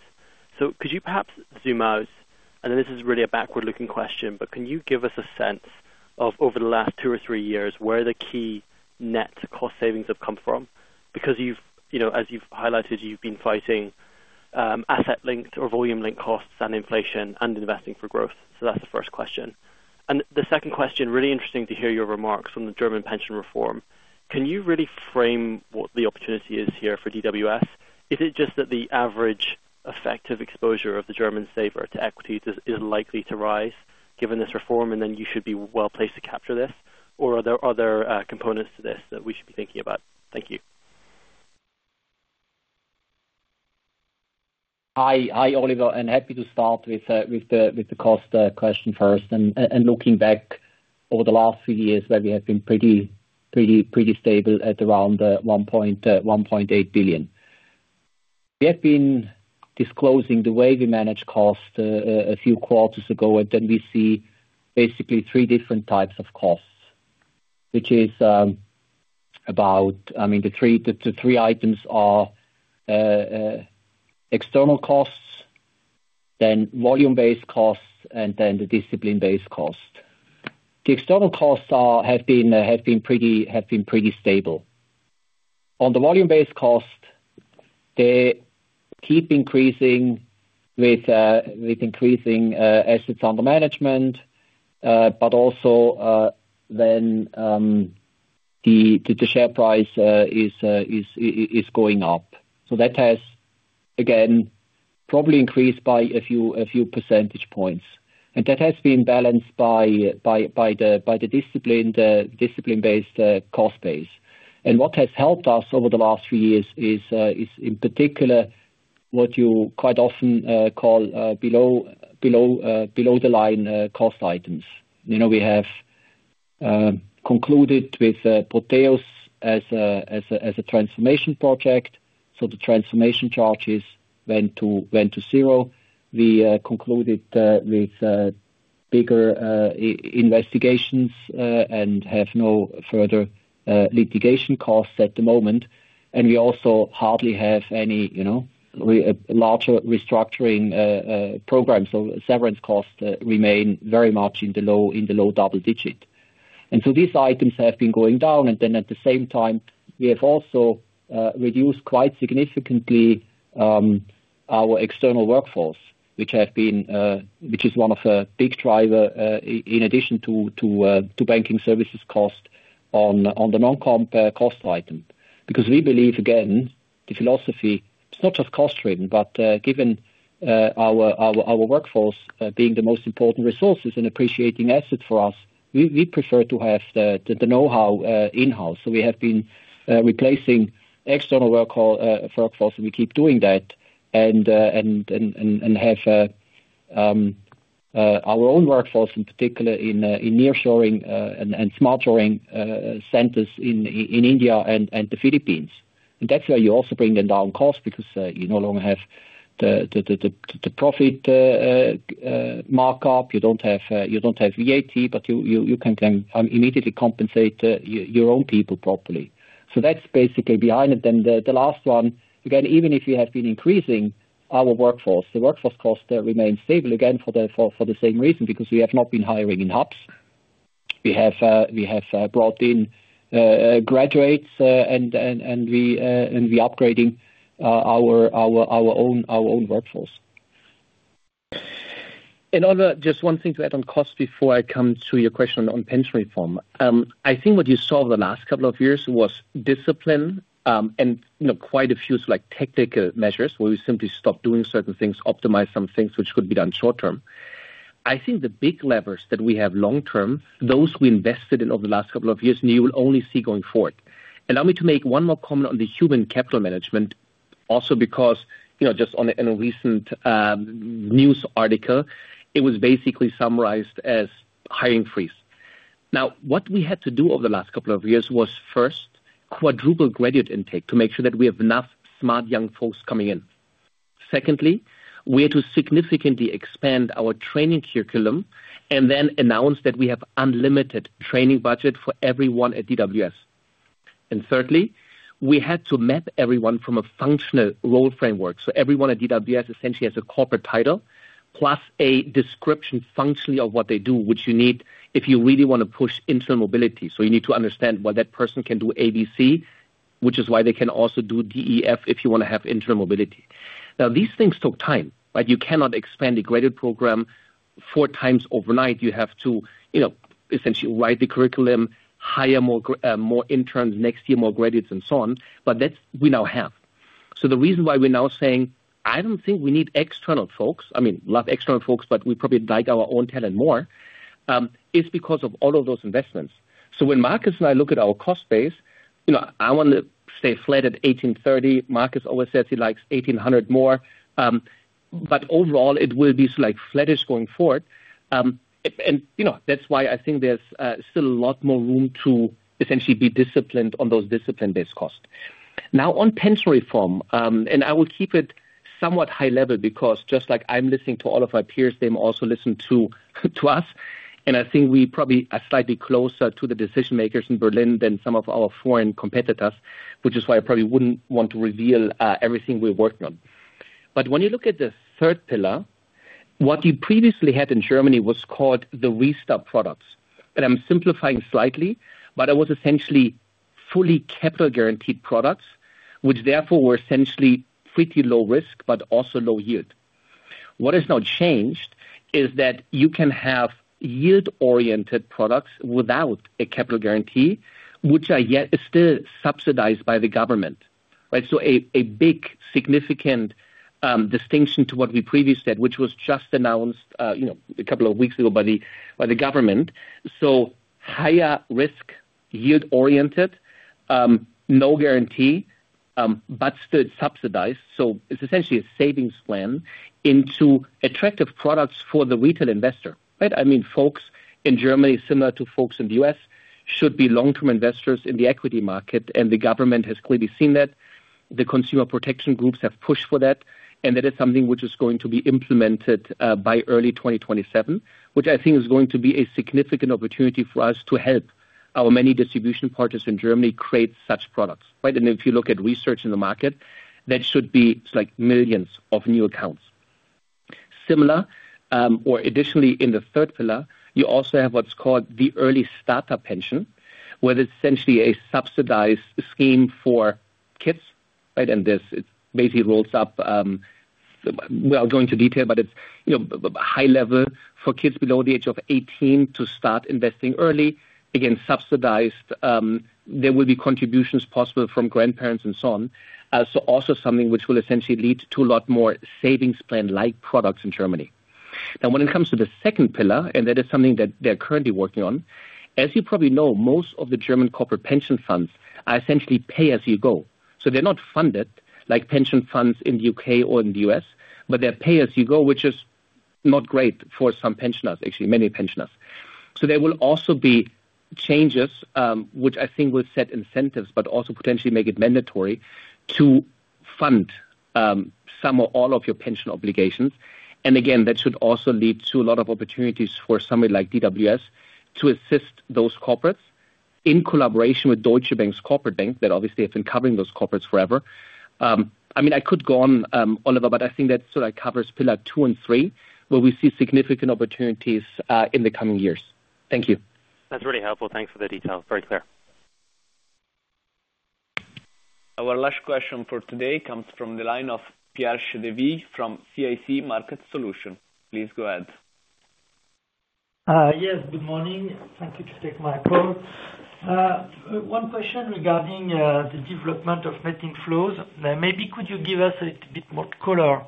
So could you perhaps zoom out and this is really a backward looking question, but can you give us a sense of over the last two or three years where the key net cost savings have come from? Because you've, you know, as you've highlighted, you've been fighting asset linked or volume linked costs and inflation and investing for growth. So that's the first question and the second question really interesting to hear your remarks on the German pension reform. Can you really frame what the opportunity is here for DWS? Is it just that the average effective exposure of the German saver to equity is likely to rise given this reform? And then you should be well placed to capture this or are there other components to this that we should be thinking about? Thank you. Hi, Oliver, and happy to start with the cost question first and looking back over the last few years where we have been pretty stable at around 1.8 billion, we have been disclosing the way we manage cost a few quarters ago and then we see basically three different types of costs which is about, I mean the three items are external costs, then volume based costs and then the discipline based cost. The external costs have been pretty stable on the volume based cost. They keep increasing with increasing assets under management, but also then the share price is going up. So that has again probably increased by a few percentage points and that has been balanced by the discipline based cost base. And what has helped us over the last few years is in particular what you quite often call below the line cost items. We have concluded with Proteus as a transformation project, so the transformation charges went to zero. We concluded with bigger investigations and have no further litigation costs at the moment. We also hardly have any larger restructuring programs. Severance costs remain very much in the low double digit. These items have been going down. At the same time we have also reduced quite significantly our external workforce which is one of a big driver in addition to banking services cost on the non-comp cost item because we believe again the philosophy it's not just cost driven but given our workforce being the most important resources and appreciating assets for us, we prefer to have the know-how in house. So we have been replacing external workforce and we keep doing that and have our own workforce in particular in nearshoring and smart shoring centers in India and the Philippines. And that's where you also bring them down cost because you no longer have the profit markup, you don't have VAT, but you can immediately compensate your own people properly. So that's basically behind it. Then the last one. Again, even if you have been increasing our workforce, the workforce cost remains stable again for the same reason because we have not been hiring in hubs, we have brought in graduates and we upgrading our own workforce. Just one thing to add on cost before I come to your question on pension reform. I think what you saw over the last couple of years was discipline and quite a few technical measures. Where we simply stop doing certain things, optimize some things which could be done short term. I think the big levers that we have long term, those we invested in over the last couple of years, you will only see going forward. Allow me to make one more comment on the human capital management also because just in a recent news article it was basically summarized as hiring freeze. Now what we had to do over the last couple of years was first, quadruple graduate intake to make sure that we have enough smart young folks coming in. Secondly, we had to significantly expand our training curriculum and then announce that we have unlimited training budget for everyone at DWS. And thirdly, we had to map everyone from a functional role framework. So everyone at DWS essentially has a corporate title plus a description functionally of what they do, which you need if you really want to push internal mobility. So you need to understand what that person can do, abc, which is why they can also do def if you want to have internal mobility. Now, these things took time. You cannot expand a graduate program four times overnight. You have to essentially write the curriculum, hire more interns next year, more graduates and so on. But that we now have. So the reason why we're now saying I don't think we need external folks, I mean love external folks, but we probably like our own tenant more is because of all of those investments. So when Markus and I look at our cost base, you know, I want to stay flat at 1,830. Markus always says he likes 1,800 more, but overall it will be like flattish going forward. And you know, that's why I think there's still a lot more room to essentially be disciplined on those discipline based costs now on pension reform. And I will keep it somewhat high level because just like I'm listening to all of our peers, they also listen to us. I think we probably are slightly closer to the decision makers in Berlin than some of our foreign competitors, which is why I probably wouldn't want to reveal everything we worked on. But when you look at the third pillar, what you previously had in Germany was called the Riester products. And I'm simplifying slightly, but it was essentially fully capital guaranteed products, which therefore were essentially pretty low risk but also low yield. What has now changed is that you can have yield oriented products without a capital guarantee which are yet still subsidized by the government. So a big significant distinction to what we previously said, which was just announced, you know, a couple of weeks ago by the government. So higher risk, yield oriented, no guarantee, but still subsidized so it's essentially a savings plan into attractive products for the retail investor. I mean, folks in Germany, similar to folks in the U.S. should be long term investors in the equity market. The government has clearly seen that. The consumer protection groups have pushed for that. That is something which is going to be implemented by early 2027, which I think is going to be a significant opportunity for us to help our many distribution partners in Germany create such products. If you look at research in the market, that should be like millions of new accounts similar or additionally, in the third pillar you also have what's called the early startup pension where it's essentially a subsidized scheme for kids. This basically rolls up. Well, I'll go into detail, but it's high level for kids below the age of 18 to start investing early. Again, subsidized, there will be contributions possible from grandparents and so on. So also something which will essentially lead to a lot more savings plan like products in Germany. Now when it comes to the second pillar, and that is something that they're currently working on, as you probably know, most of the German corporate pension funds are essentially pay-as-you-go. So they're not funded like pension funds in the U.K. or in the U.S. but they're pay-as-you-go, which is not great for some pensioners, actually many pensioners. So there will also be changes which I think will set incentives but also potentially make it mandatory to fund some or all of your pension obligations. And again, that should also lead to a lot of opportunities for somebody like DWS to assist those corporates in collaboration with Deutsche Bank's Corporate Bank that obviously have been covering those corporates forever. I mean, I could go on Oliver, but I think that sort of covers pillar 2 and 3 where we see significant opportunities in the coming years. Thank you. That's really helpful. Thanks for the detail. Very clear. Our last question for today comes from the line of Pierre Chédeville from CIC Market Solutions. Please go ahead. Yes, good morning. Thank you to take my call. One question regarding the development of net flows, maybe could you give us a bit more color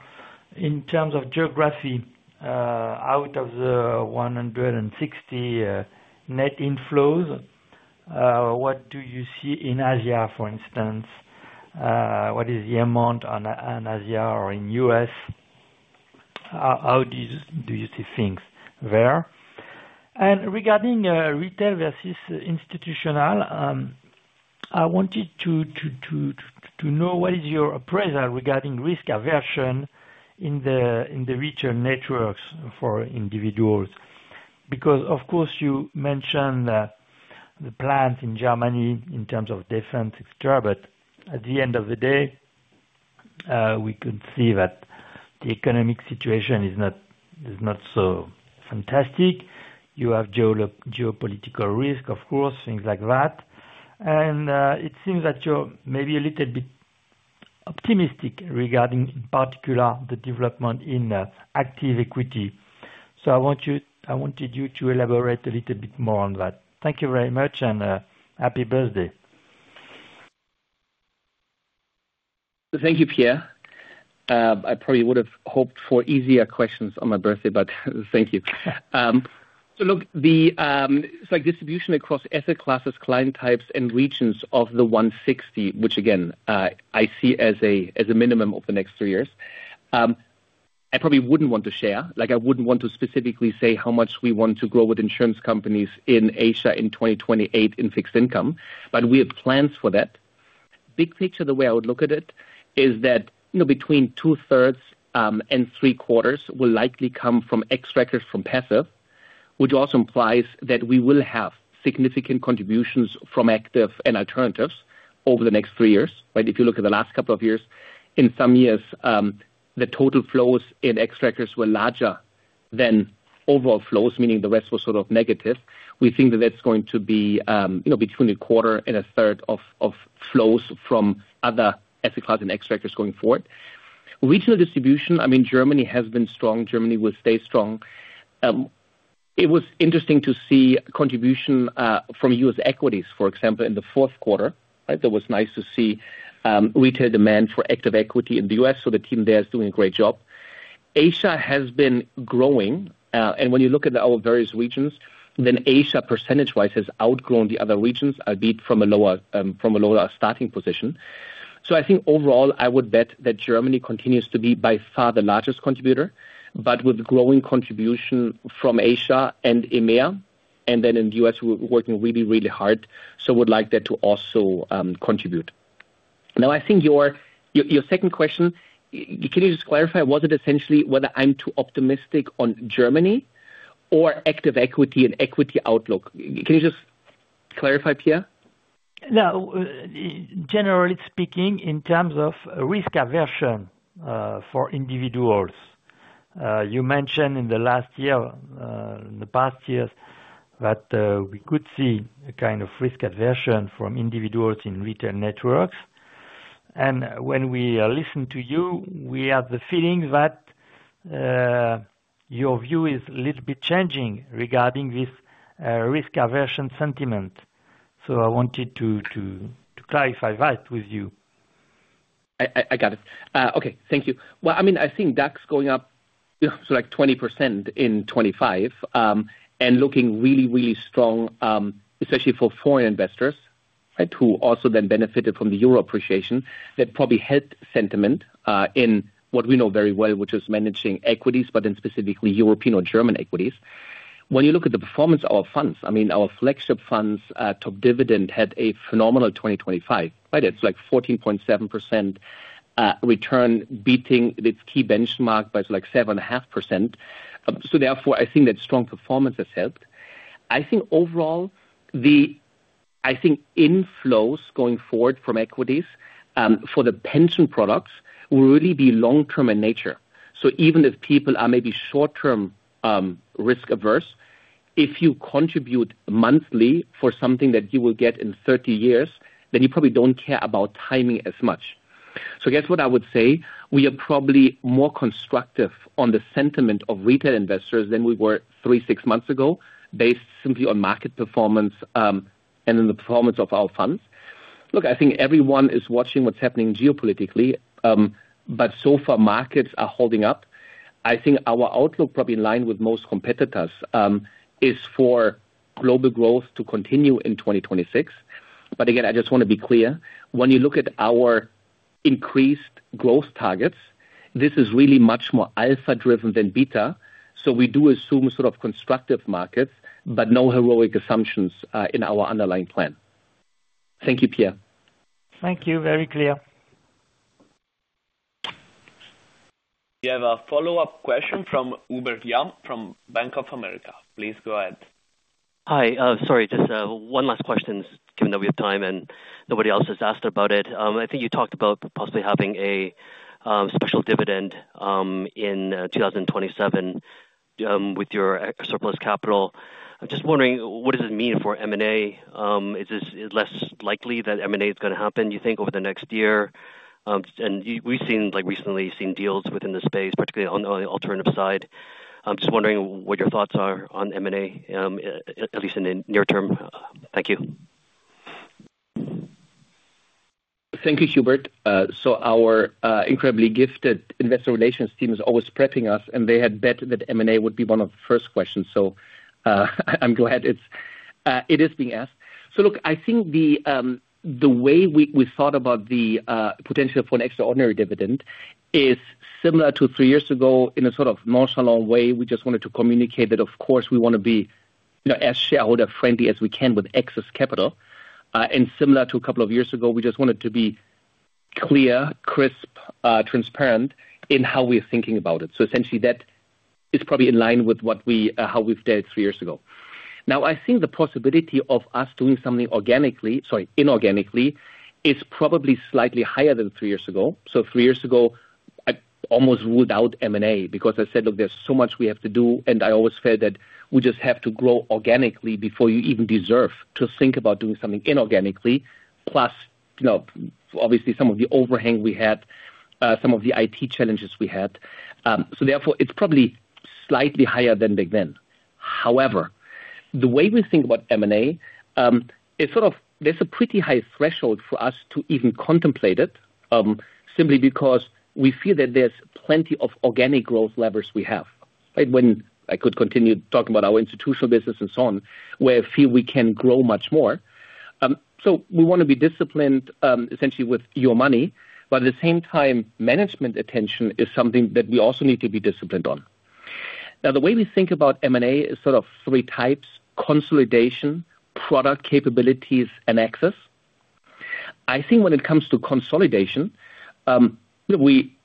in terms of geography? Out of the 160 net inflows, what do you see in Asia, for instance? What is the amount in Asia or in U.S.? How do you see things there? And regarding retail versus institutional, I wanted to know what is your appraisal regarding risk aversion in the retail networks for individuals? Because of course you mentioned the plan in Germany in terms of defense etc. But at the end of the day we could see that the economic situation is not so fantastic. You have geopolitical risk, of course, things like that. And it seems that you're maybe a little bit optimistic regarding in particular the development in Active Equity. I wanted you to elaborate a little bit more on that. Thank you very much and happy birthday. Thank you, Pierre. I probably would have hoped for easier questions on my birthday, but thank you. Look, the distribution across asset classes, client types and regions of the 160, which again I see as a minimum of the next three years, I probably wouldn't want to share like I wouldn't want to specifically say how much we want to grow with insurance companies in Asia in 2028 in fixed income, but we have plans for that big picture. The way I would look at it is that between 2/3 and 3/4 will likely come from Xtrackers from passive, which also implies that we will have significant contributions from active and alternatives over the next three years. But if you look at the last couple of years, in some years the total flows in Xtrackers were larger than overall flows, meaning the rest was sort of negative. We think that that's going to be between a quarter and a third of flows from other asset class and Xtrackers going forward. Regional distribution, I mean, Germany has been strong. Germany will stay strong. It was interesting to see contribution from U.S. equities, for example, in the fourth quarter. That was nice to see retail demand for Active Equity in the U.S. So the team there is doing a great job. Asia has been growing and when you look at our various regions, then Asia percentage wise has outgrown the other regions, albeit from a lower starting position. So I think overall I would bet that Germany continues to be by far the largest contributor, but with growing contribution from Asia and EMEA and then in the U.S. we're working really, really hard, so would like that to also contribute. Now I think your second question, can you just clarify, was it essentially whether I'm too optimistic on Germany or Active Equity and equity outlook? Can you just clarify, Pierre? No, generally speaking, in terms of risk aversion for individuals, you mentioned in the last year, in the past years that we could see a kind of risk aversion from individuals in retail networks. When we listen to you, we have the feeling that your view is little bit changing regarding this risk aversion sentiment. I wanted to clarify that with you. I got it. Okay, thank you. Well, I mean I think DAX going up like 20% in 2025 and looking really, really strong, especially for foreign investors who also then benefited from the euro appreciation that probably had sentiment in what we know very well, which is managing equities. But in specifically European or German equities, when you look at the performance of funds, I mean our flagship funds, Top Dividend had a phenomenal 2025, but it's like 14.7% return, beating its key benchmark by like 7.5%. So therefore I think that strong performance has helped. I think overall the, I think inflows going forward from equities for the pension products will really be long term in nature. So even if people are maybe short-term risk averse, if you contribute monthly for something that you will get in 30 years, then you probably don't care about timing as much. So guess what? I would say we are probably more constrained, constructive on the sentiment of retail investors than we were 3, 6 months ago based simply on market performance and in the performance of our funds. Look, I think everyone is watching what's happening geopolitically, but so far markets are holding up. I think our outlook, probably in line with most competitors, is for global growth to continue in 2026. But again, I just want to be clear, when you look at our increased growth targets, this is really much more alpha driven than beta. So we do assume sort of constructive markets but no heroic assumptions in our underlying plan. Thank you, Pierre. Thank you. Very clear. We have a follow-up question from Hubert Lam from Bank of America. Please go ahead. Hi, sorry, just one last question. Given that we have time and nobody else has asked about it. I think you talked about possibly having a special dividend in 2027 with your surplus capital. I'm just wondering what does it mean for M&A? Is it less likely that M&A is going to happen, you think, over the next year? And we've seen like recently seen deals within the space, particularly on the alternative side. I'm just wondering what your thoughts are on M&A, at least in the near term. Thank you. Thank you, Hubert. So our incredibly gifted investor relations team is always prepping us and they had bet that M&A would be one of the first questions. So I'm glad it is being asked. So look, I think the way we thought about the potential for an extraordinary dividend is similar to three years ago in a sort of nonchalant way. We just wanted to communicate that of course we want to be as shareholder friendly as we can with excess capital. And similar to a couple of years ago, we just wanted to be clear, crisp, transparent in how we are thinking about it. So essentially that is probably in line with how we've dealt three years ago now, I think the possibility of us doing something organically, sorry inorganically is probably slightly higher than three years ago. So three years ago I almost ruled out M&A because I said, look, there's so much we have to do. And I always felt that we just have to grow organically before you even deserve to think about doing something inorganically. Plus obviously some of the overhang we had, some of the IT challenges we had. So therefore it's probably slightly higher than big then. However, the way we think about M&A, it's sort of. There's a pretty high threshold for us to even contemplate it simply because we see that there's plenty of organic growth levers we have. When I could continue talking about our institutional business and so on, where we can grow much more. So we want to be disciplined essentially with your money, but at the same time, management attention is something that we also need to be disciplined on. Now, the way we think about M&A is sort of three types: consolidation, product capabilities, and access. I think when it comes to consolidation, we,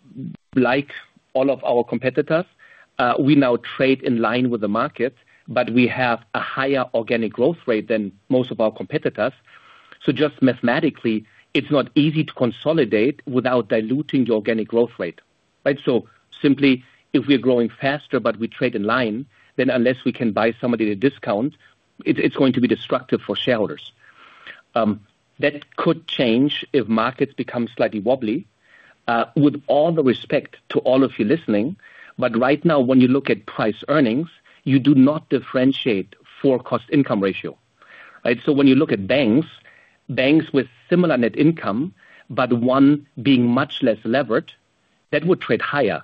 like all of our competitors, now trade in line with the market, but we have a higher organic growth rate than most of our competitors. So just mathematically, it's not easy to consolidate without diluting the organic growth rate. So simply, if we're growing faster but we trade in line, then unless we can buy somebody at a discount, it's going to be destructive for shareholders. That could change if markets become slightly wobbly. With all the respect to all of you listening, but right now when you look at price-earnings, you do not differentiate for cost-income ratio. So when you look at banks, banks with similar net income but one being much less levered, that would trade higher.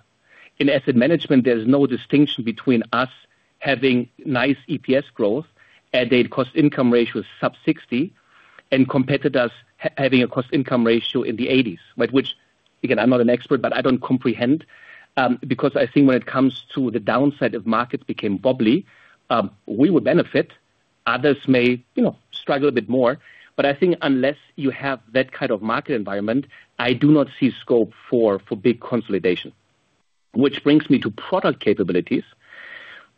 In asset management, there's no distinction between us having nice EPS growth at a cost income ratio sub 60% and competitors having a cost income ratio in the 80s%, which again I'm not an expert, but I don't comprehend because I think when it comes to the downside of markets became bubbly, we would benefit. Others may struggle a bit more, but I think unless you have that kind of market environment, I do not see scope for big consolidation. Which brings me to product capabilities.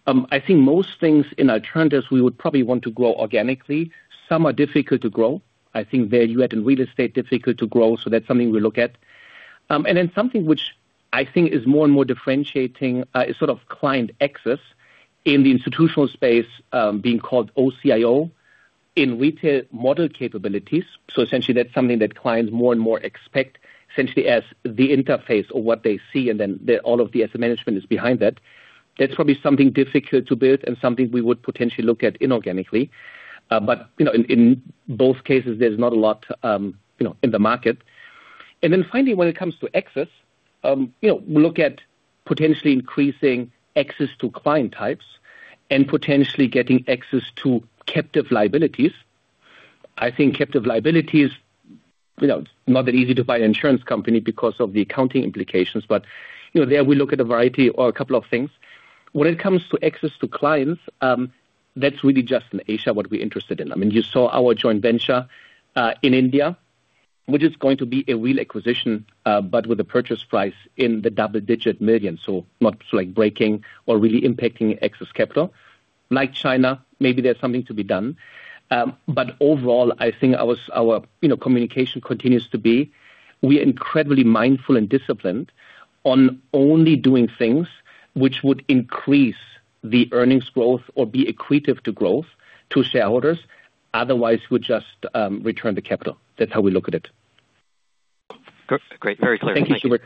I think most things in alternatives we would probably want to grow organically. Some are difficult to grow, I think value add in real estate, difficult to grow. So that's something we look at and then something which I think is more and more differentiating is sort of client access in the institutional space being called OCIO in retail model capabilities. So essentially that's something that clients' more and more expectations essentially as the interface or what they see and then all of the asset management is behind that. That's probably something difficult to build and something we would potentially look at inorganically. But in both cases there's not a lot in the market. And then finally when it comes to access, we look at potentially increasing access to client types and potentially getting access to captive liabilities. I think captive liabilities not that easy to buy insurance company because of the accounting implications. But there we look at a variety or a couple of things. When it comes to access to clients, that's really just in Asia, what we're interested in. I mean you saw our joint venture in India which is going to be a real acquisition but with a purchase price in the double-digit million EUR. So not like breaking or really impacting excess capital like China. Maybe there's something to be done. But overall I think our communication continues to be. We are incredibly mindful and disciplined on only doing things which would increase the earnings growth or be accretive to growth to shareholders. Otherwise we just return the capital. That's how we look at it. Great, very clear. Thank you, Hubert.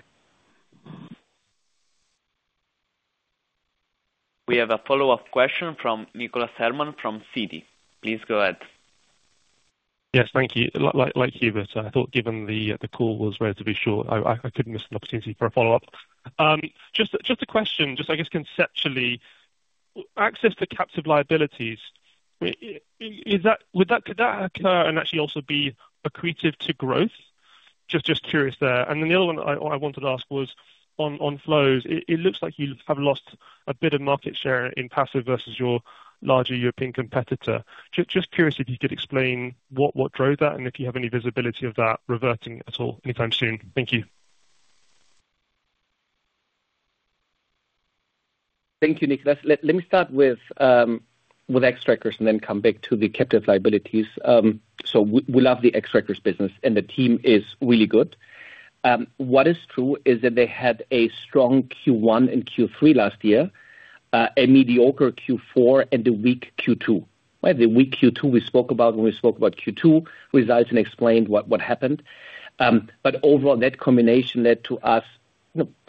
We have a follow up question from Nicholas Herman from Citi. Please go ahead. Yes, thank you. Like Hubert, I thought given the call was relatively short, I couldn't miss an opportunity for a follow-up. Just a question, just I guess conceptually access to captive liabilities, could that occur and actually also be accretive to growth? Just curious there. And then the other one I wanted to ask was on flows. It looks like you have lost a bit of market share in passive versus your larger European competitor. Just curious if you could explain what drove that and if you have any visibility of that reverting at all anytime soon. Thank you. Thank you, Nicholas. Let me start with Xtrackers and then come back to the captive liabilities. So we love the Xtrackers business and the team is really good. What is true is that they had a strong Q1 and Q3 last year, a mediocre Q4 and a weak Q2. The weak Q2 we spoke about when we spoke about Q2 results and explained what happened. But overall that combination led to us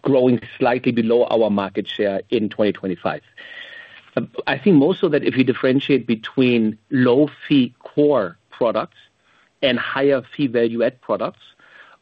growing slightly below our market share in 2025. I think most of that if you differentiate between low fee core products and higher fee value add products,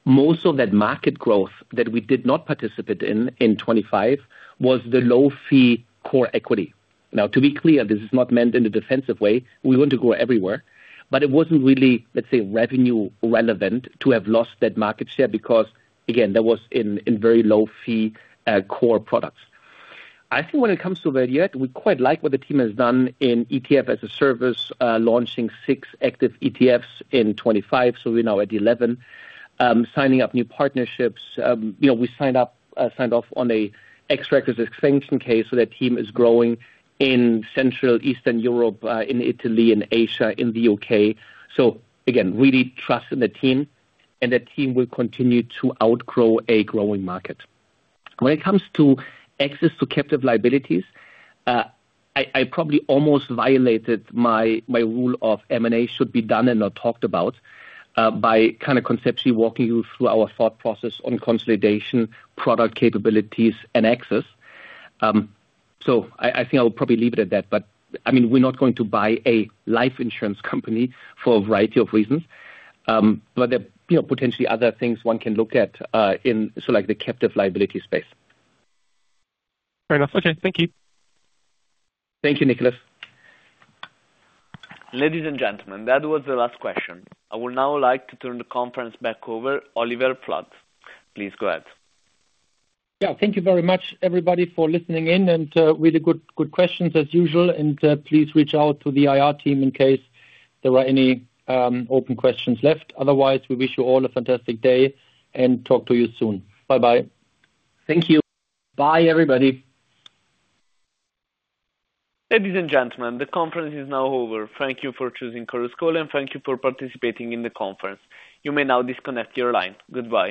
most of that market growth that we did not participate in in 2025 was the low fee core equity. Now to be clear, this is not meant in a defensive way. We want to grow everywhere. But it wasn't really, let's say, revenue relevant to have lost that market share because again that was in very low fee core products I think when it comes to that. Yet we quite like what the team has done in ETF as a service, launching six active ETFs in 2025. So we now at 11, signing up new partnerships. You know, we signed up, signed off on a Xtrackers extension case. So that team is growing in Central Eastern Europe, in Italy and Asia, in the U.K. So again, really trust in the team and the team will continue to outgrow a growing market when it comes to access to captive liabilities. I probably almost violated my rule of M&A should be done and not talked about by kind of conceptually walking you through our thought process on consolidation, product capabilities and access. I think I will probably leave it at that. But I mean, we're not going to buy a life insurance company for a variety of reasons, but potentially other things one can look at in the captive liability space. Fair enough. Okay, thank you. Thank you, Nicholas. Ladies and gentlemen, that was the last question. I would now like to turn the conference back over. Oliver Flade, please go ahead. Yeah, thank you very much everybody for listening in and really good questions as usual. Please reach out to the IR team in case there are any open questions left. Otherwise we wish you all a fantastic day and talk to you soon. Bye bye. Thank you. Bye everybody. Ladies and gentlemen, the conference is now over. Thank you for choosing Chorus Call and thank you for participating in the conference. You may now disconnect your line. Goodbye.